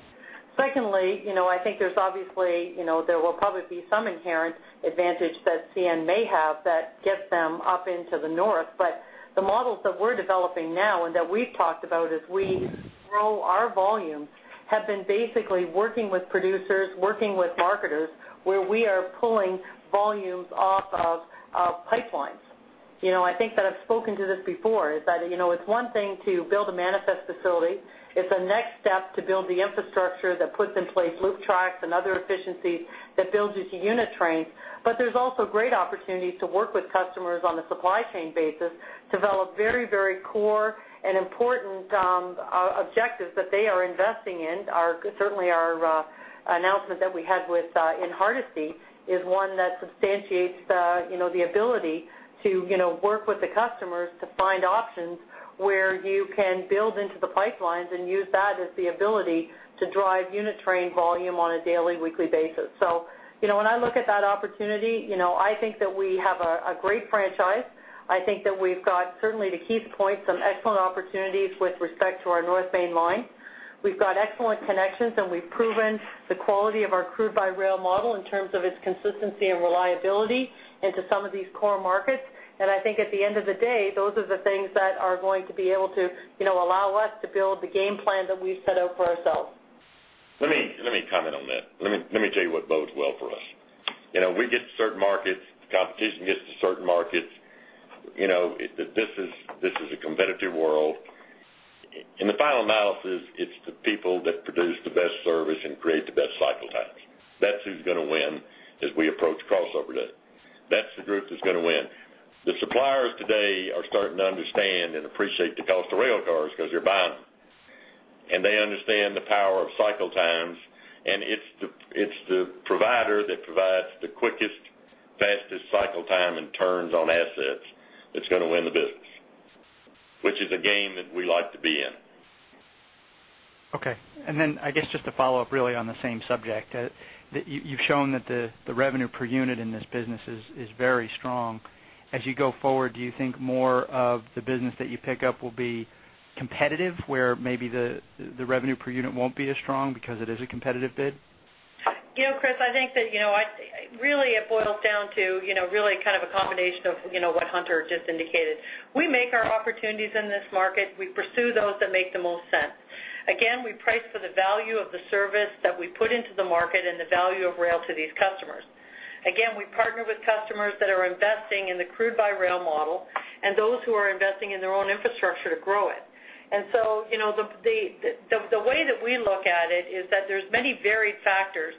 Secondly, I think there's obviously there will probably be some inherent advantage that CN may have that gets them up into the north. But the models that we're developing now and that we've talked about as we grow our volumes have been basically working with producers, working with marketers where we are pulling volumes off of pipelines. I think that I've spoken to this before is that it's one thing to build a manifest facility. It's a next step to build the infrastructure that puts in place loop tracks and other efficiencies that builds you to unit trains. But there's also great opportunities to work with customers on a supply chain basis, develop very, very core and important objectives that they are investing in. Certainly, our announcement that we had in Hardisty is one that substantiates the ability to work with the customers to find options where you can build into the pipelines and use that as the ability to drive unit train volume on a daily, weekly basis. So when I look at that opportunity, I think that we have a great franchise. I think that we've got, certainly to Keith's point, some excellent opportunities with respect to our north main line. We've got excellent connections, and we've proven the quality of our crude-by-rail model in terms of its consistency and reliability into some of these core markets. I think, at the end of the day, those are the things that are going to be able to allow us to build the game plan that we've set out for ourselves. Let me comment on that. Let me tell you what bodes well for us. We get to certain markets. Competition gets to certain markets. This is a competitive world. In the final analysis, it's the people that produce the best service and create the best cycle times. That's who's going to win as we approach crossover day. That's the group that's going to win. The suppliers today are starting to understand and appreciate the cost of rail cars because they're buying them. And they understand the power of cycle times. And it's the provider that provides the quickest, fastest cycle time and turns on assets that's going to win the business, which is a game that we like to be in. Okay. And then I guess just to follow up really on the same subject, you've shown that the revenue per unit in this business is very strong. As you go forward, do you think more of the business that you pick up will be competitive where maybe the revenue per unit won't be as strong because it is a competitive bid? Chris, I think that really, it boils down to really kind of a combination of what Hunter just indicated. We make our opportunities in this market. We pursue those that make the most sense. Again, we price for the value of the service that we put into the market and the value of rail to these customers. Again, we partner with customers that are investing in the crude-by-rail model and those who are investing in their own infrastructure to grow it. And so the way that we look at it is that there's many varied factors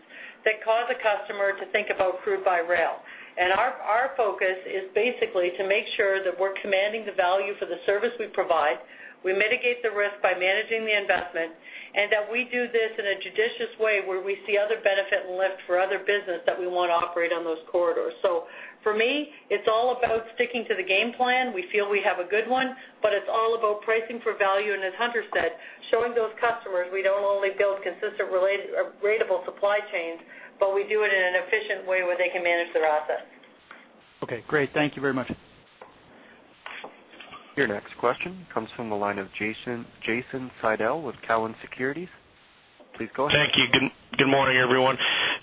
that cause a customer to think about crude-by-rail. And our focus is basically to make sure that we're commanding the value for the service we provide. We mitigate the risk by managing the investment and that we do this in a judicious way where we see other benefit and lift for other business that we want to operate on those corridors. For me, it's all about sticking to the game plan. We feel we have a good one, but it's all about pricing for value. As Hunter said, showing those customers we don't only build consistent, ratable supply chains, but we do it in an efficient way where they can manage their assets. Okay. Great. Thank you very much. Your next question comes from the line of Jason Seidl with Cowen Securities. Please go ahead. Thank you. Good morning, everyone.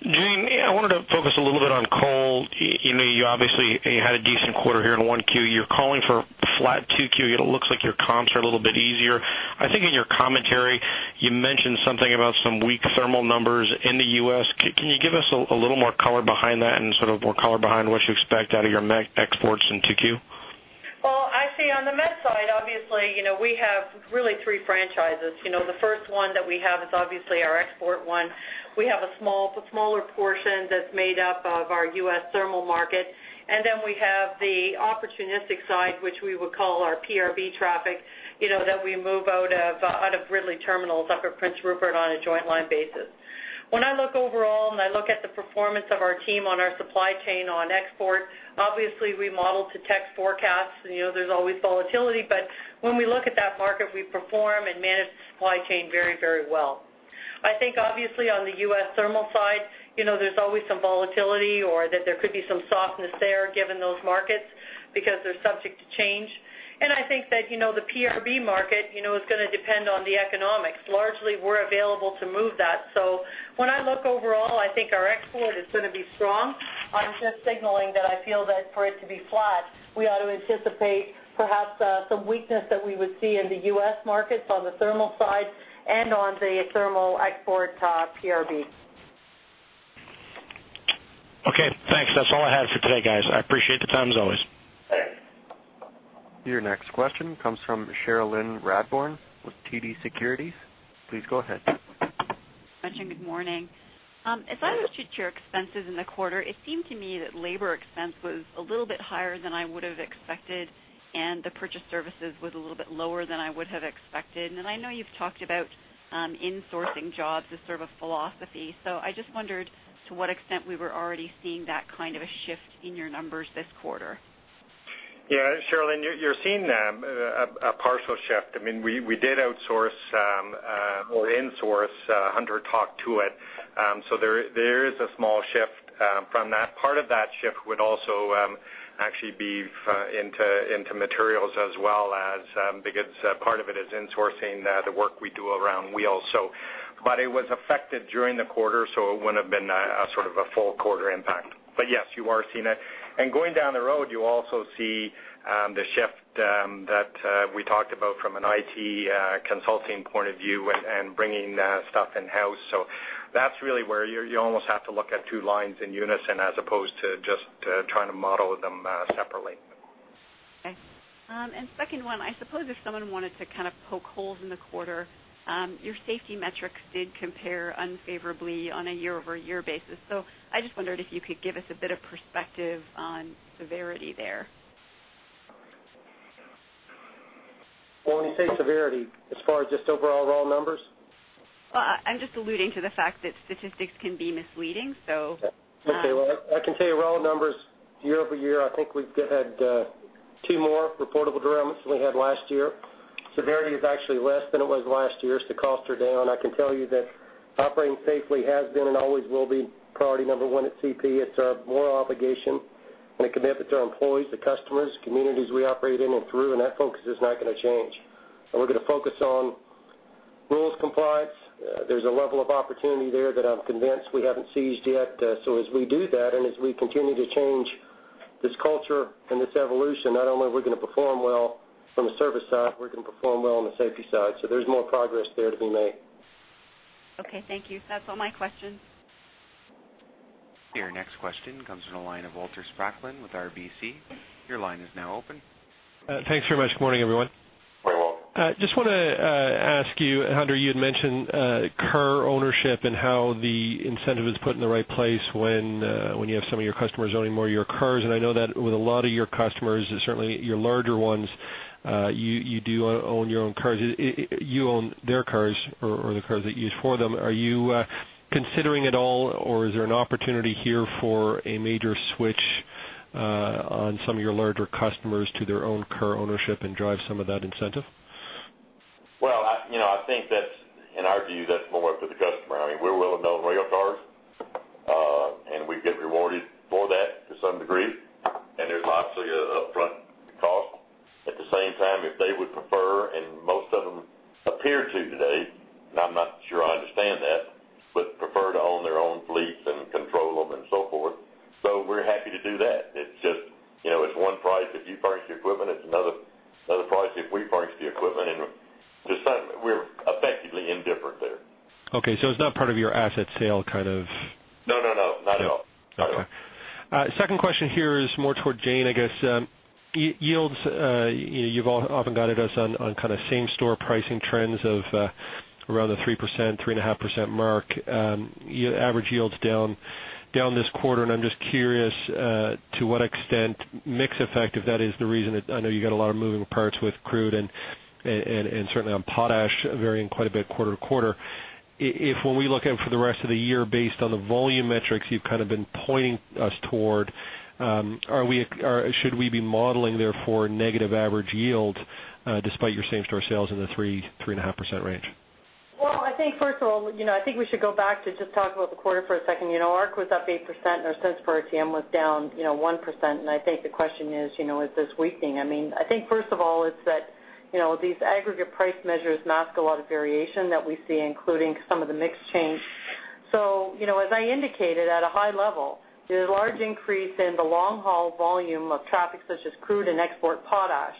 Jane, I wanted to focus a little bit on coal. You obviously had a decent quarter here in 1Q. You're calling for flat 2Q. It looks like your comps are a little bit easier. I think in your commentary, you mentioned something about some weak thermal numbers in the U.S. Can you give us a little more color behind that and sort of more color behind what you expect out of your exports in 2Q? Well, I see on the met coal side, obviously, we have really three franchises. The first one that we have is obviously our export one. We have a smaller portion that's made up of our U.S. thermal market. And then we have the opportunistic side, which we would call our PRB traffic that we move out of Ridley Terminals up at Prince Rupert on a joint line basis. When I look overall and I look at the performance of our team on our supply chain on export, obviously, we model to Teck forecasts. There's always volatility. But when we look at that market, we perform and manage the supply chain very, very well. I think, obviously, on the U.S. thermal side, there's always some volatility or that there could be some softness there given those markets because they're subject to change. I think that the PRB market is going to depend on the economics. Largely, we're available to move that. When I look overall, I think our export is going to be strong. I'm just signaling that I feel that for it to be flat, we ought to anticipate perhaps some weakness that we would see in the U.S. markets on the thermal side and on the thermal export PRB. Okay. Thanks. That's all I had for today, guys. I appreciate the time as always. Thanks. Your next question comes from Cherilyn Radbourne with TD Securities. Please go ahead. Good morning. As I looked at your expenses in the quarter, it seemed to me that labor expense was a little bit higher than I would have expected, and the purchased services was a little bit lower than I would have expected. I know you've talked about insourcing jobs as sort of a philosophy. I just wondered to what extent we were already seeing that kind of a shift in your numbers this quarter. Yeah. Cherilyn, you're seeing a partial shift. I mean, we did outsource or insource. Hunter talked to it. So there is a small shift from that. Part of that shift would also actually be into materials as well because part of it is insourcing the work we do around wheels. But it was affected during the quarter, so it wouldn't have been sort of a full quarter impact. But yes, you are seeing it. And going down the road, you also see the shift that we talked about from an IT consulting point of view and bringing stuff in-house. So that's really where you almost have to look at two lines in unison as opposed to just trying to model them separately. Okay. And second one, I suppose if someone wanted to kind of poke holes in the quarter, your safety metrics did compare unfavorably on a year-over-year basis. So I just wondered if you could give us a bit of perspective on severity there. Well, when you say severity, as far as just overall raw numbers? Well, I'm just alluding to the fact that statistics can be misleading, so. Okay. Well, I can tell you raw numbers year-over-year, I think we've had two more reportable derailments than we had last year. Severity is actually less than it was last year. It's the cost per day. And I can tell you that operating safely has been and always will be priority number one at CP. It's our moral obligation and a commitment to our employees, the customers, the communities we operate in and through, and that focus is not going to change. And we're going to focus on rules compliance. There's a level of opportunity there that I'm convinced we haven't seized yet. So as we do that and as we continue to change this culture and this evolution, not only are we going to perform well from the service side, we're going to perform well on the safety side. So there's more progress there to be made. Okay. Thank you. That's all my questions. Your next question comes from the line of Walter Spracklin with RBC. Your line is now open. Thanks very much. Good morning, everyone. Very well. Just want to ask you, Hunter, you had mentioned CUR ownership and how the incentive is put in the right place when you have some of your customers owning more of your CURs. And I know that with a lot of your customers, certainly your larger ones, you do own your own CURs. You own their CURs or the CURs that you use for them. Are you considering it all, or is there an opportunity here for a major switch on some of your larger customers to their own CUR ownership and drive some of that incentive? Well, I think that, in our view, that's more up to the customer. I mean, we're willing to own rail cars, and we get rewarded for that to some degree. There's obviously an upfront cost. At the same time, if they would prefer (and most of them appear to today, and I'm not sure I understand that) but prefer to own their own fleets and control them and so forth. We're happy to do that. It's just it's one price if you furnish the equipment. It's another price if we furnish the equipment. We're effectively indifferent there. Okay. So it's not part of your asset sale kind of? No, no, no. Not at all. Not at all. Okay. Second question here is more toward Jane, I guess. Yields, you've often got at us on kind of same-store pricing trends of around the 3%, 3.5% mark. Average yields down this quarter. And I'm just curious to what extent mixed effect, if that is the reason - I know you got a lot of moving parts with crude and certainly on potash varying quite a bit quarter to quarter - if when we look at for the rest of the year based on the volume metrics you've kind of been pointing us toward, should we be modeling, therefore, negative average yields despite your same-store sales in the 3.5% range? Well, I think, first of all, I think we should go back to just talk about the quarter for a second. ARC was up 8%, and our cents per RTM was down 1%. I think the question is, is this weakening? I mean, I think, first of all, it's that these aggregate price measures mask a lot of variation that we see, including some of the mixed change. So as I indicated, at a high level, there's a large increase in the long-haul volume of traffic such as crude and export potash,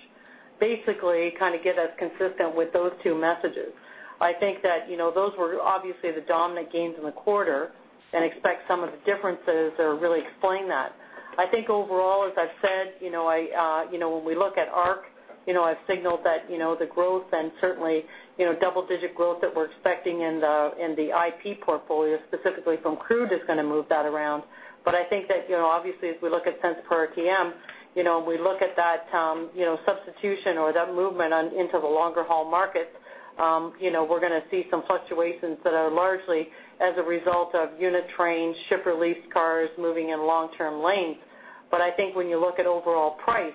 basically kind of get us consistent with those two messages. I think that those were obviously the dominant gains in the quarter and expect some of the differences that really explain that. I think, overall, as I've said, when we look at ARC, I've signaled that the growth and certainly double-digit growth that we're expecting in the IP portfolio, specifically from crude, is going to move that around. But I think that, obviously, as we look at cents per RTM and we look at that substitution or that movement into the longer-haul markets, we're going to see some fluctuations that are largely as a result of unit train, ship-released cars moving in long-term lanes. But I think when you look at overall price,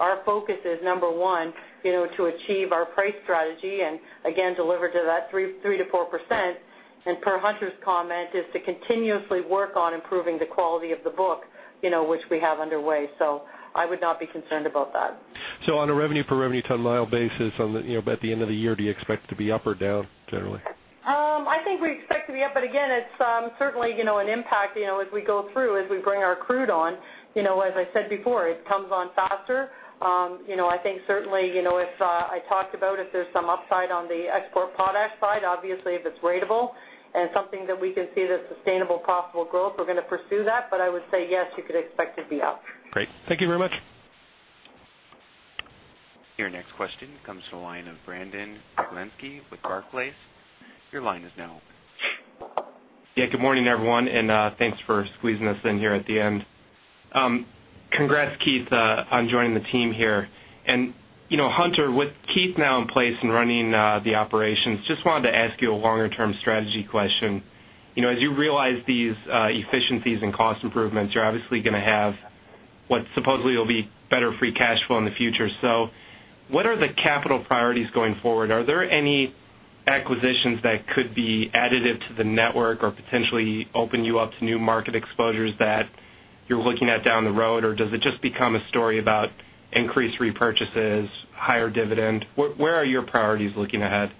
our focus is, number one, to achieve our price strategy and, again, deliver to that 3%-4%. And per Hunter's comment, is to continuously work on improving the quality of the book, which we have underway. So I would not be concerned about that. Revenue-per-revenue ton-mile basis, at the end of the year, do you expect it to be up or down generally? I think we expect to be up. But again, it's certainly an impact as we go through, as we bring our crude on. As I said before, it comes on faster. I think, certainly, if I talked about if there's some upside on the export potash side, obviously, if it's rateable and something that we can see that's sustainable, profitable growth, we're going to pursue that. But I would say, yes, you could expect it to be up. Great. Thank you very much. Your next question comes from the line of Brandon Oglenski with Barclays. Your line is now open. Yeah. Good morning, everyone. And thanks for squeezing us in here at the end. Congrats, Keith, on joining the team here. And Hunter, with Keith now in place and running the operations, just wanted to ask you a longer-term strategy question. As you realize these efficiencies and cost improvements, you're obviously going to have what supposedly will be better free cash flow in the future. So what are the capital priorities going forward? Are there any acquisitions that could be additive to the network or potentially open you up to new market exposures that you're looking at down the road? Or does it just become a story about increased repurchases, higher dividend? Where are your priorities looking ahead?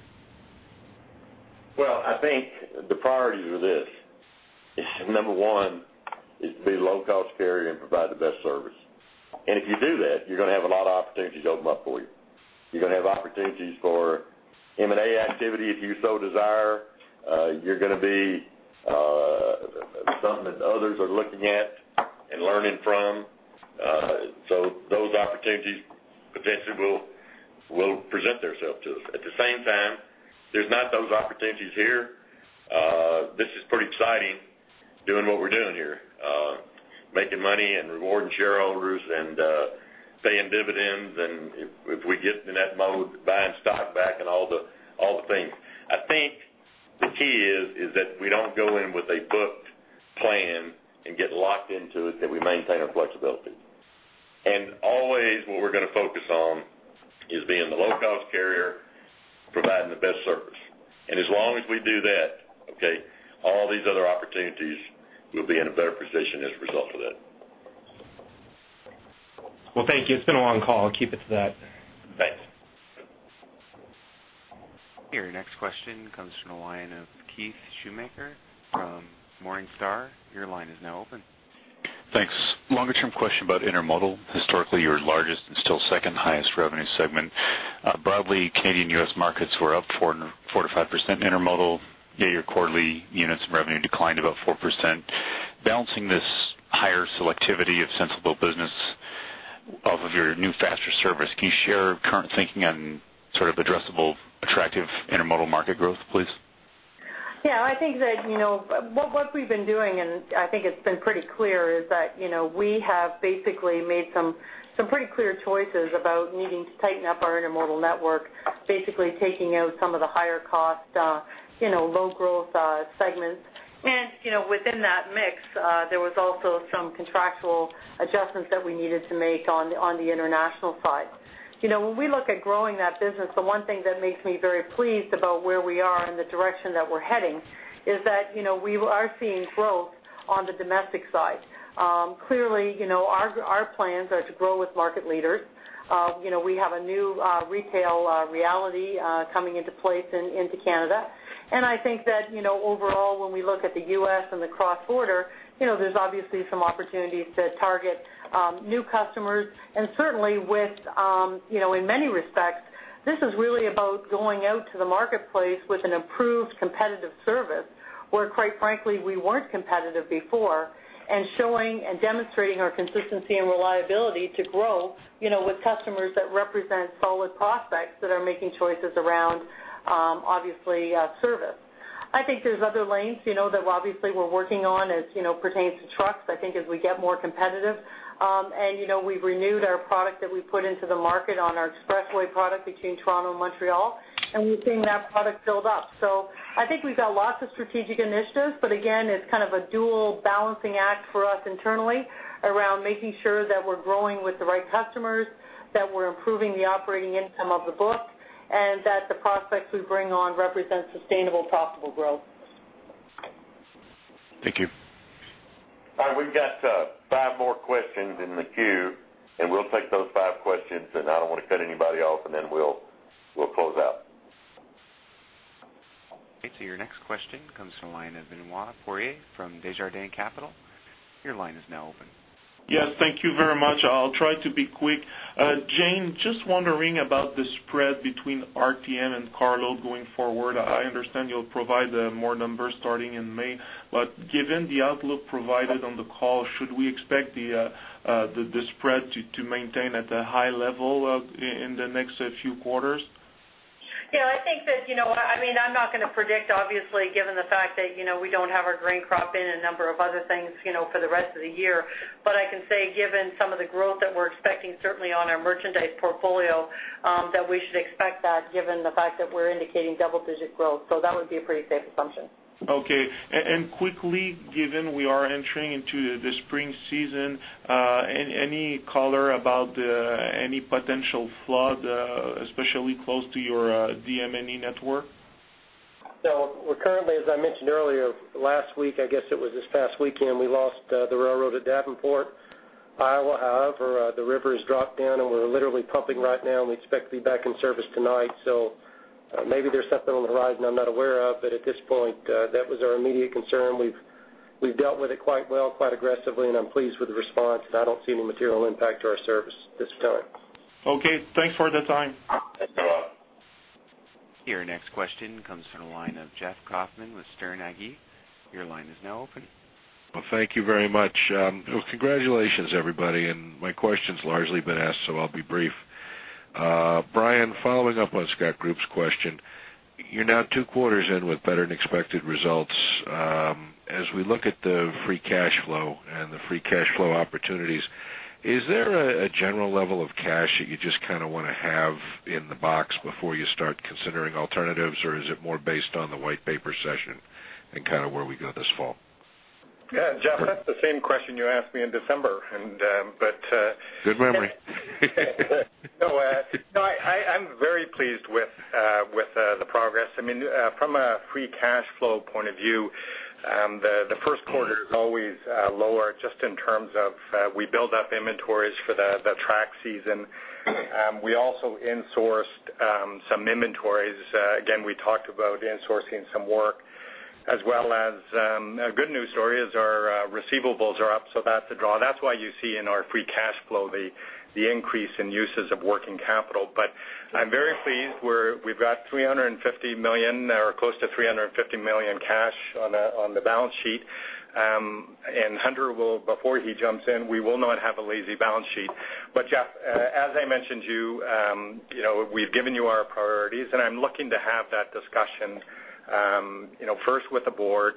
Well, I think the priorities are this. Number one is to be a low-cost carrier and provide the best service. And if you do that, you're going to have a lot of opportunities open up for you. You're going to have opportunities for M&A activity if you so desire. You're going to be something that others are looking at and learning from. So those opportunities potentially will present themselves to us. At the same time, there's not those opportunities here. This is pretty exciting. Doing what we're doing here, making money and rewarding shareholders and paying dividends. And if we get in that mode, buying stock back and all the things. I think the key is that we don't go in with a booked plan and get locked into it, that we maintain our flexibility. And always, what we're going to focus on is being the low-cost carrier, providing the best service. As long as we do that, okay, all these other opportunities will be in a better position as a result of that. Well, thank you. It's been a long call. Keep it to that. Thanks. Your next question comes from the line of Keith Schoonmaker from Morningstar. Your line is now open. Thanks. Longer-term question about intermodal. Historically, your largest and still second-highest revenue segment. Broadly, Canadian-U.S. markets were up 4%-5% intermodal. Yeah, your quarterly units and revenue declined about 4%. Balancing this higher selectivity of sensible business off of your new faster service, can you share current thinking on sort of addressable, attractive intermodal market growth, please? Yeah. I think that what we've been doing—and I think it's been pretty clear—is that we have basically made some pretty clear choices about needing to tighten up our intermodal network, basically taking out some of the higher-cost, low-growth segments. Within that mix, there was also some contractual adjustments that we needed to make on the international side. When we look at growing that business, the one thing that makes me very pleased about where we are and the direction that we're heading is that we are seeing growth on the domestic side. Clearly, our plans are to grow with market leaders. We have a new retail reality coming into place into Canada. I think that, overall, when we look at the U.S. and the cross-border, there's obviously some opportunities to target new customers. Certainly, in many respects, this is really about going out to the marketplace with an improved, competitive service where, quite frankly, we weren't competitive before and showing and demonstrating our consistency and reliability to grow with customers that represent solid prospects that are making choices around, obviously, service. I think there's other lanes that, obviously, we're working on as pertains to trucks. I think as we get more competitive and we've renewed our product that we put into the market on our Expressway product between Toronto and Montreal, and we're seeing that product build up. So I think we've got lots of strategic initiatives. But again, it's kind of a dual balancing act for us internally around making sure that we're growing with the right customers, that we're improving the operating income of the book, and that the prospects we bring on represent sustainable, profitable growth. Thank you. All right. We've got five more questions in the queue. We'll take those five questions. I don't want to cut anybody off. Then we'll close out. Okay. So your next question comes from the line of Benoit Poirier from Desjardins Capital. Your line is now open. Yes. Thank you very much. I'll try to be quick. Jane, just wondering about the spread between RTM and carload going forward. I understand you'll provide more numbers starting in May. But given the outlook provided on the call, should we expect the spread to maintain at a high level in the next few quarters? Yeah. I think that I mean, I'm not going to predict, obviously, given the fact that we don't have our grain crop in and a number of other things for the rest of the year. But I can say, given some of the growth that we're expecting, certainly on our merchandise portfolio, that we should expect that given the fact that we're indicating double-digit growth. So that would be a pretty safe assumption. Okay. Quickly, given we are entering into the spring season, any color about any potential flood, especially close to your DM&E network? So currently, as I mentioned earlier, last week, I guess it was this past weekend, we lost the railroad at Davenport, Iowa. However, the river has dropped down. And we're literally pumping right now. And we expect to be back in service tonight. So maybe there's something on the horizon I'm not aware of. But at this point, that was our immediate concern. We've dealt with it quite well, quite aggressively. And I'm pleased with the response. And I don't see any material impact to our service this time. Okay. Thanks for the time. Thanks a lot. Your next question comes from the line of Jeffrey Kauffman with Sterne Agee. Your line is now open. Well, thank you very much. Well, congratulations, everybody. And my question's largely been asked, so I'll be brief. Brian, following up on Scott Group's question, you're now two quarters in with better-than-expected results. As we look at the free cash flow and the free cash flow opportunities, is there a general level of cash that you just kind of want to have in the box before you start considering alternatives? Or is it more based on the whiteboard session and kind of where we go this fall? Yeah. Jeff, that's the same question you asked me in December. But. Good memory. No. No. I'm very pleased with the progress. I mean, from a free cash flow point of view, the first quarter is always lower just in terms of we build up inventories for the track season. We also insourced some inventories. Again, we talked about insourcing some work. As well as a good news story is our receivables are up. So that's a draw. That's why you see in our free cash flow the increase in uses of working capital. But I'm very pleased. We've got 350 million or close to 350 million cash on the balance sheet. And Hunter, before he jumps in, we will not have a lazy balance sheet. But Jeff, as I mentioned to you, we've given you our priorities. And I'm looking to have that discussion first with the board.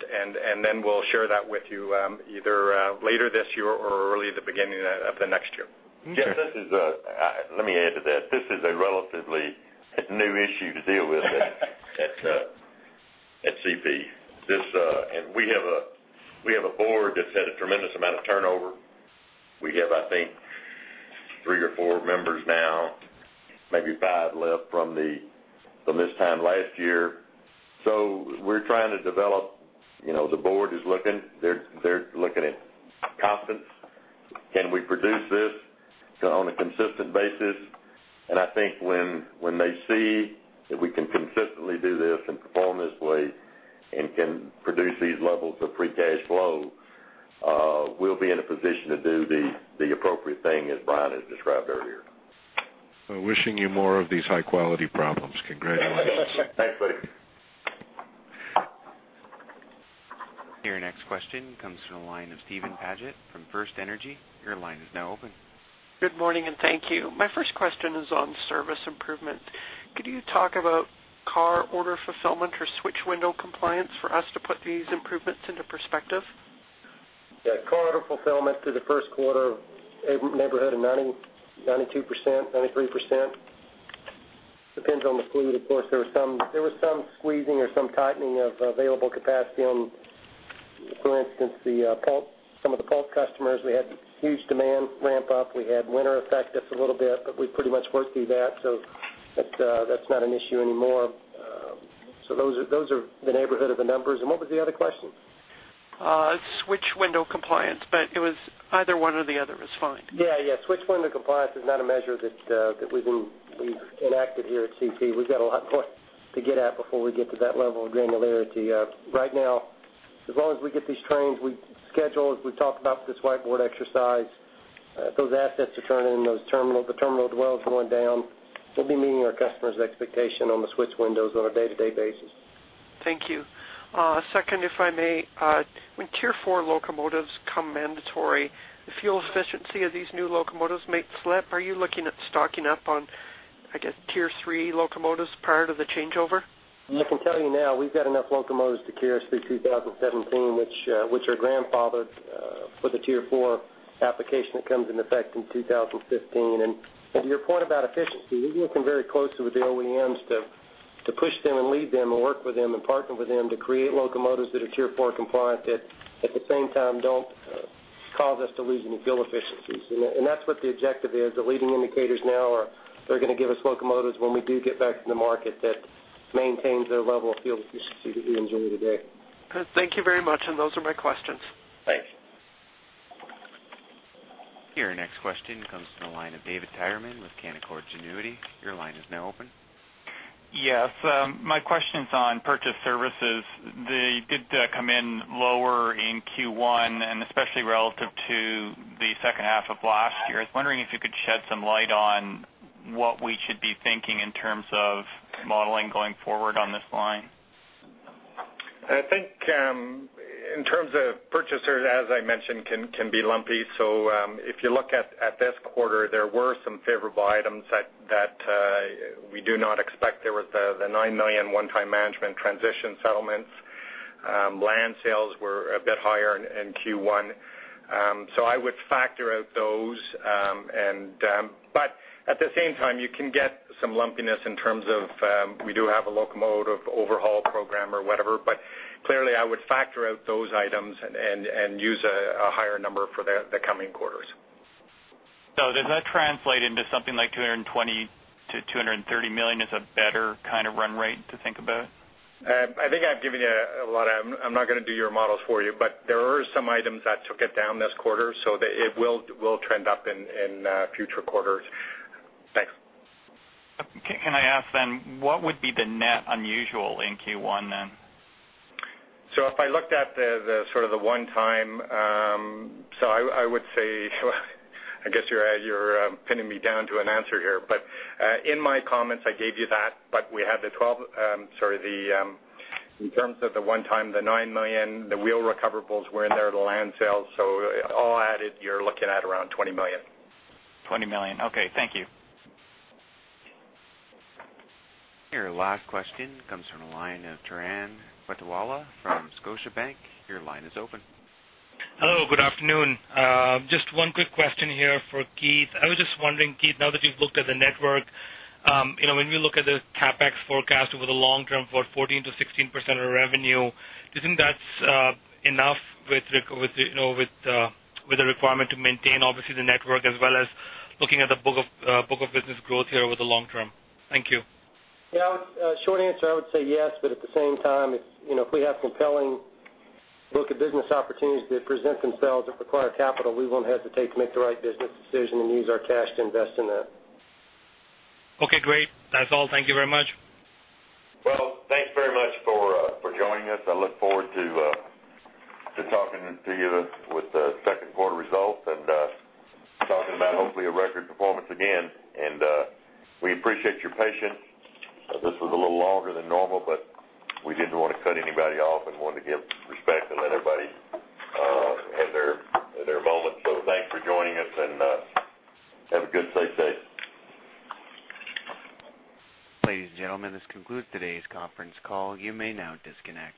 Then we'll share that with you either later this year or early at the beginning of the next year. Jeff, let me add to that. This is a relatively new issue to deal with at CP. We have a board that's had a tremendous amount of turnover. We have, I think, three or four members now, maybe five left from this time last year. So we're trying to develop. The board is looking. They're looking at consistency. Can we produce this on a consistent basis? And I think when they see that we can consistently do this and perform this way and can produce these levels of free cash flow, we'll be in a position to do the appropriate thing, as Brian has described earlier. Wishing you more of these high-quality problems. Congratulations. Thanks, buddy. Your next question comes from the line of Steven Paget from FirstEnergy. Your line is now open. Good morning. Thank you. My first question is on service improvements. Could you talk about car order fulfillment or switch window compliance for us to put these improvements into perspective? Yeah. Car order fulfillment to the first quarter, neighborhood of 92%, 93%. Depends on the fleet. Of course, there was some squeezing or some tightening of available capacity on, for instance, some of the pulp customers. We had huge demand ramp up. We had winter effect just a little bit. But we pretty much worked through that. So that's not an issue anymore. So those are the neighborhood of the numbers. And what was the other question? Switch window compliance. But either one or the other is fine. Yeah. Yeah. Switch window compliance is not a measure that we've enacted here at CP. We've got a lot more to get at before we get to that level of granularity. Right now, as long as we get these trains we schedule, as we've talked about with this whiteboard exercise, those assets are turning in, the terminal dwells going down, we'll be meeting our customers' expectation on the switch windows on a day-to-day basis. Thank you. Second, if I may, when Tier 4 locomotives come mandatory, the fuel efficiency of these new locomotives might slip. Are you looking at stocking up on, I guess, Tier 3 locomotives prior to the changeover? I can tell you now. We've got enough locomotives to KRS through 2017, which are grandfathered for the Tier 4 application that comes into effect in 2015. And to your point about efficiency, we're working very closely with the OEMs to push them and lead them and work with them and partner with them to create locomotives that are Tier 4 compliant that, at the same time, don't cause us to lose any fuel efficiencies. And that's what the objective is. The leading indicators now are they're going to give us locomotives when we do get back to the market that maintains their level of fuel efficiency that we enjoy today. Thank you very much. Those are my questions. Thanks. Your next question comes from the line of David Tyerman with Canaccord Genuity. Your line is now open. Yes. My question's on purchase services. They did come in lower in Q1, and especially relative to the second half of last year. I was wondering if you could shed some light on what we should be thinking in terms of modeling going forward on this line. I think in terms of purchasers, as I mentioned, can be lumpy. So if you look at this quarter, there were some favorable items that we do not expect. There was the 9 million one-time management transition settlements. Land sales were a bit higher in Q1. So I would factor out those. But at the same time, you can get some lumpiness in terms of we do have a locomotive overhaul program or whatever. But clearly, I would factor out those items and use a higher number for the coming quarters. So does that translate into something like $220 million-$230 million as a better kind of run rate to think about? I think I've given you a lot. I'm not going to do your models for you. But there are some items that took it down this quarter. So it will trend up in future quarters. Thanks. Can I ask then, what would be the net unusual in Q1 then? So if I looked at sort of the one-time, so I would say I guess you're pinning me down to an answer here. But in my comments, I gave you that. But we had the $12, sorry, in terms of the one-time, the $9 million, the wheel recoverables were in there, the land sales. So all added, you're looking at around $20 million. $20 million. Okay. Thank you. Your last question comes from the line of Turan Quettawala from Scotiabank. Your line is open. Hello. Good afternoon. Just one quick question here for Keith. I was just wondering, Keith, now that you've looked at the network, when we look at the CapEx forecast over the long term for 14%-16% of revenue, do you think that's enough with the requirement to maintain, obviously, the network as well as looking at the book of business growth here over the long term? Thank you. Yeah. Short answer, I would say yes. But at the same time, if we have compelling book of business opportunities that present themselves that require capital, we won't hesitate to make the right business decision and use our cash to invest in that. Okay. Great. That's all. Thank you very much. Well, thanks very much for joining us. I look forward to talking to you with the second quarter results and talking about, hopefully, a record performance again. And we appreciate your patience. This was a little longer than normal. But we didn't want to cut anybody off and wanted to give respect and let everybody have their moment. So thanks for joining us. And have a good, safe day. Ladies and gentlemen, this concludes today's conference call. You may now disconnect.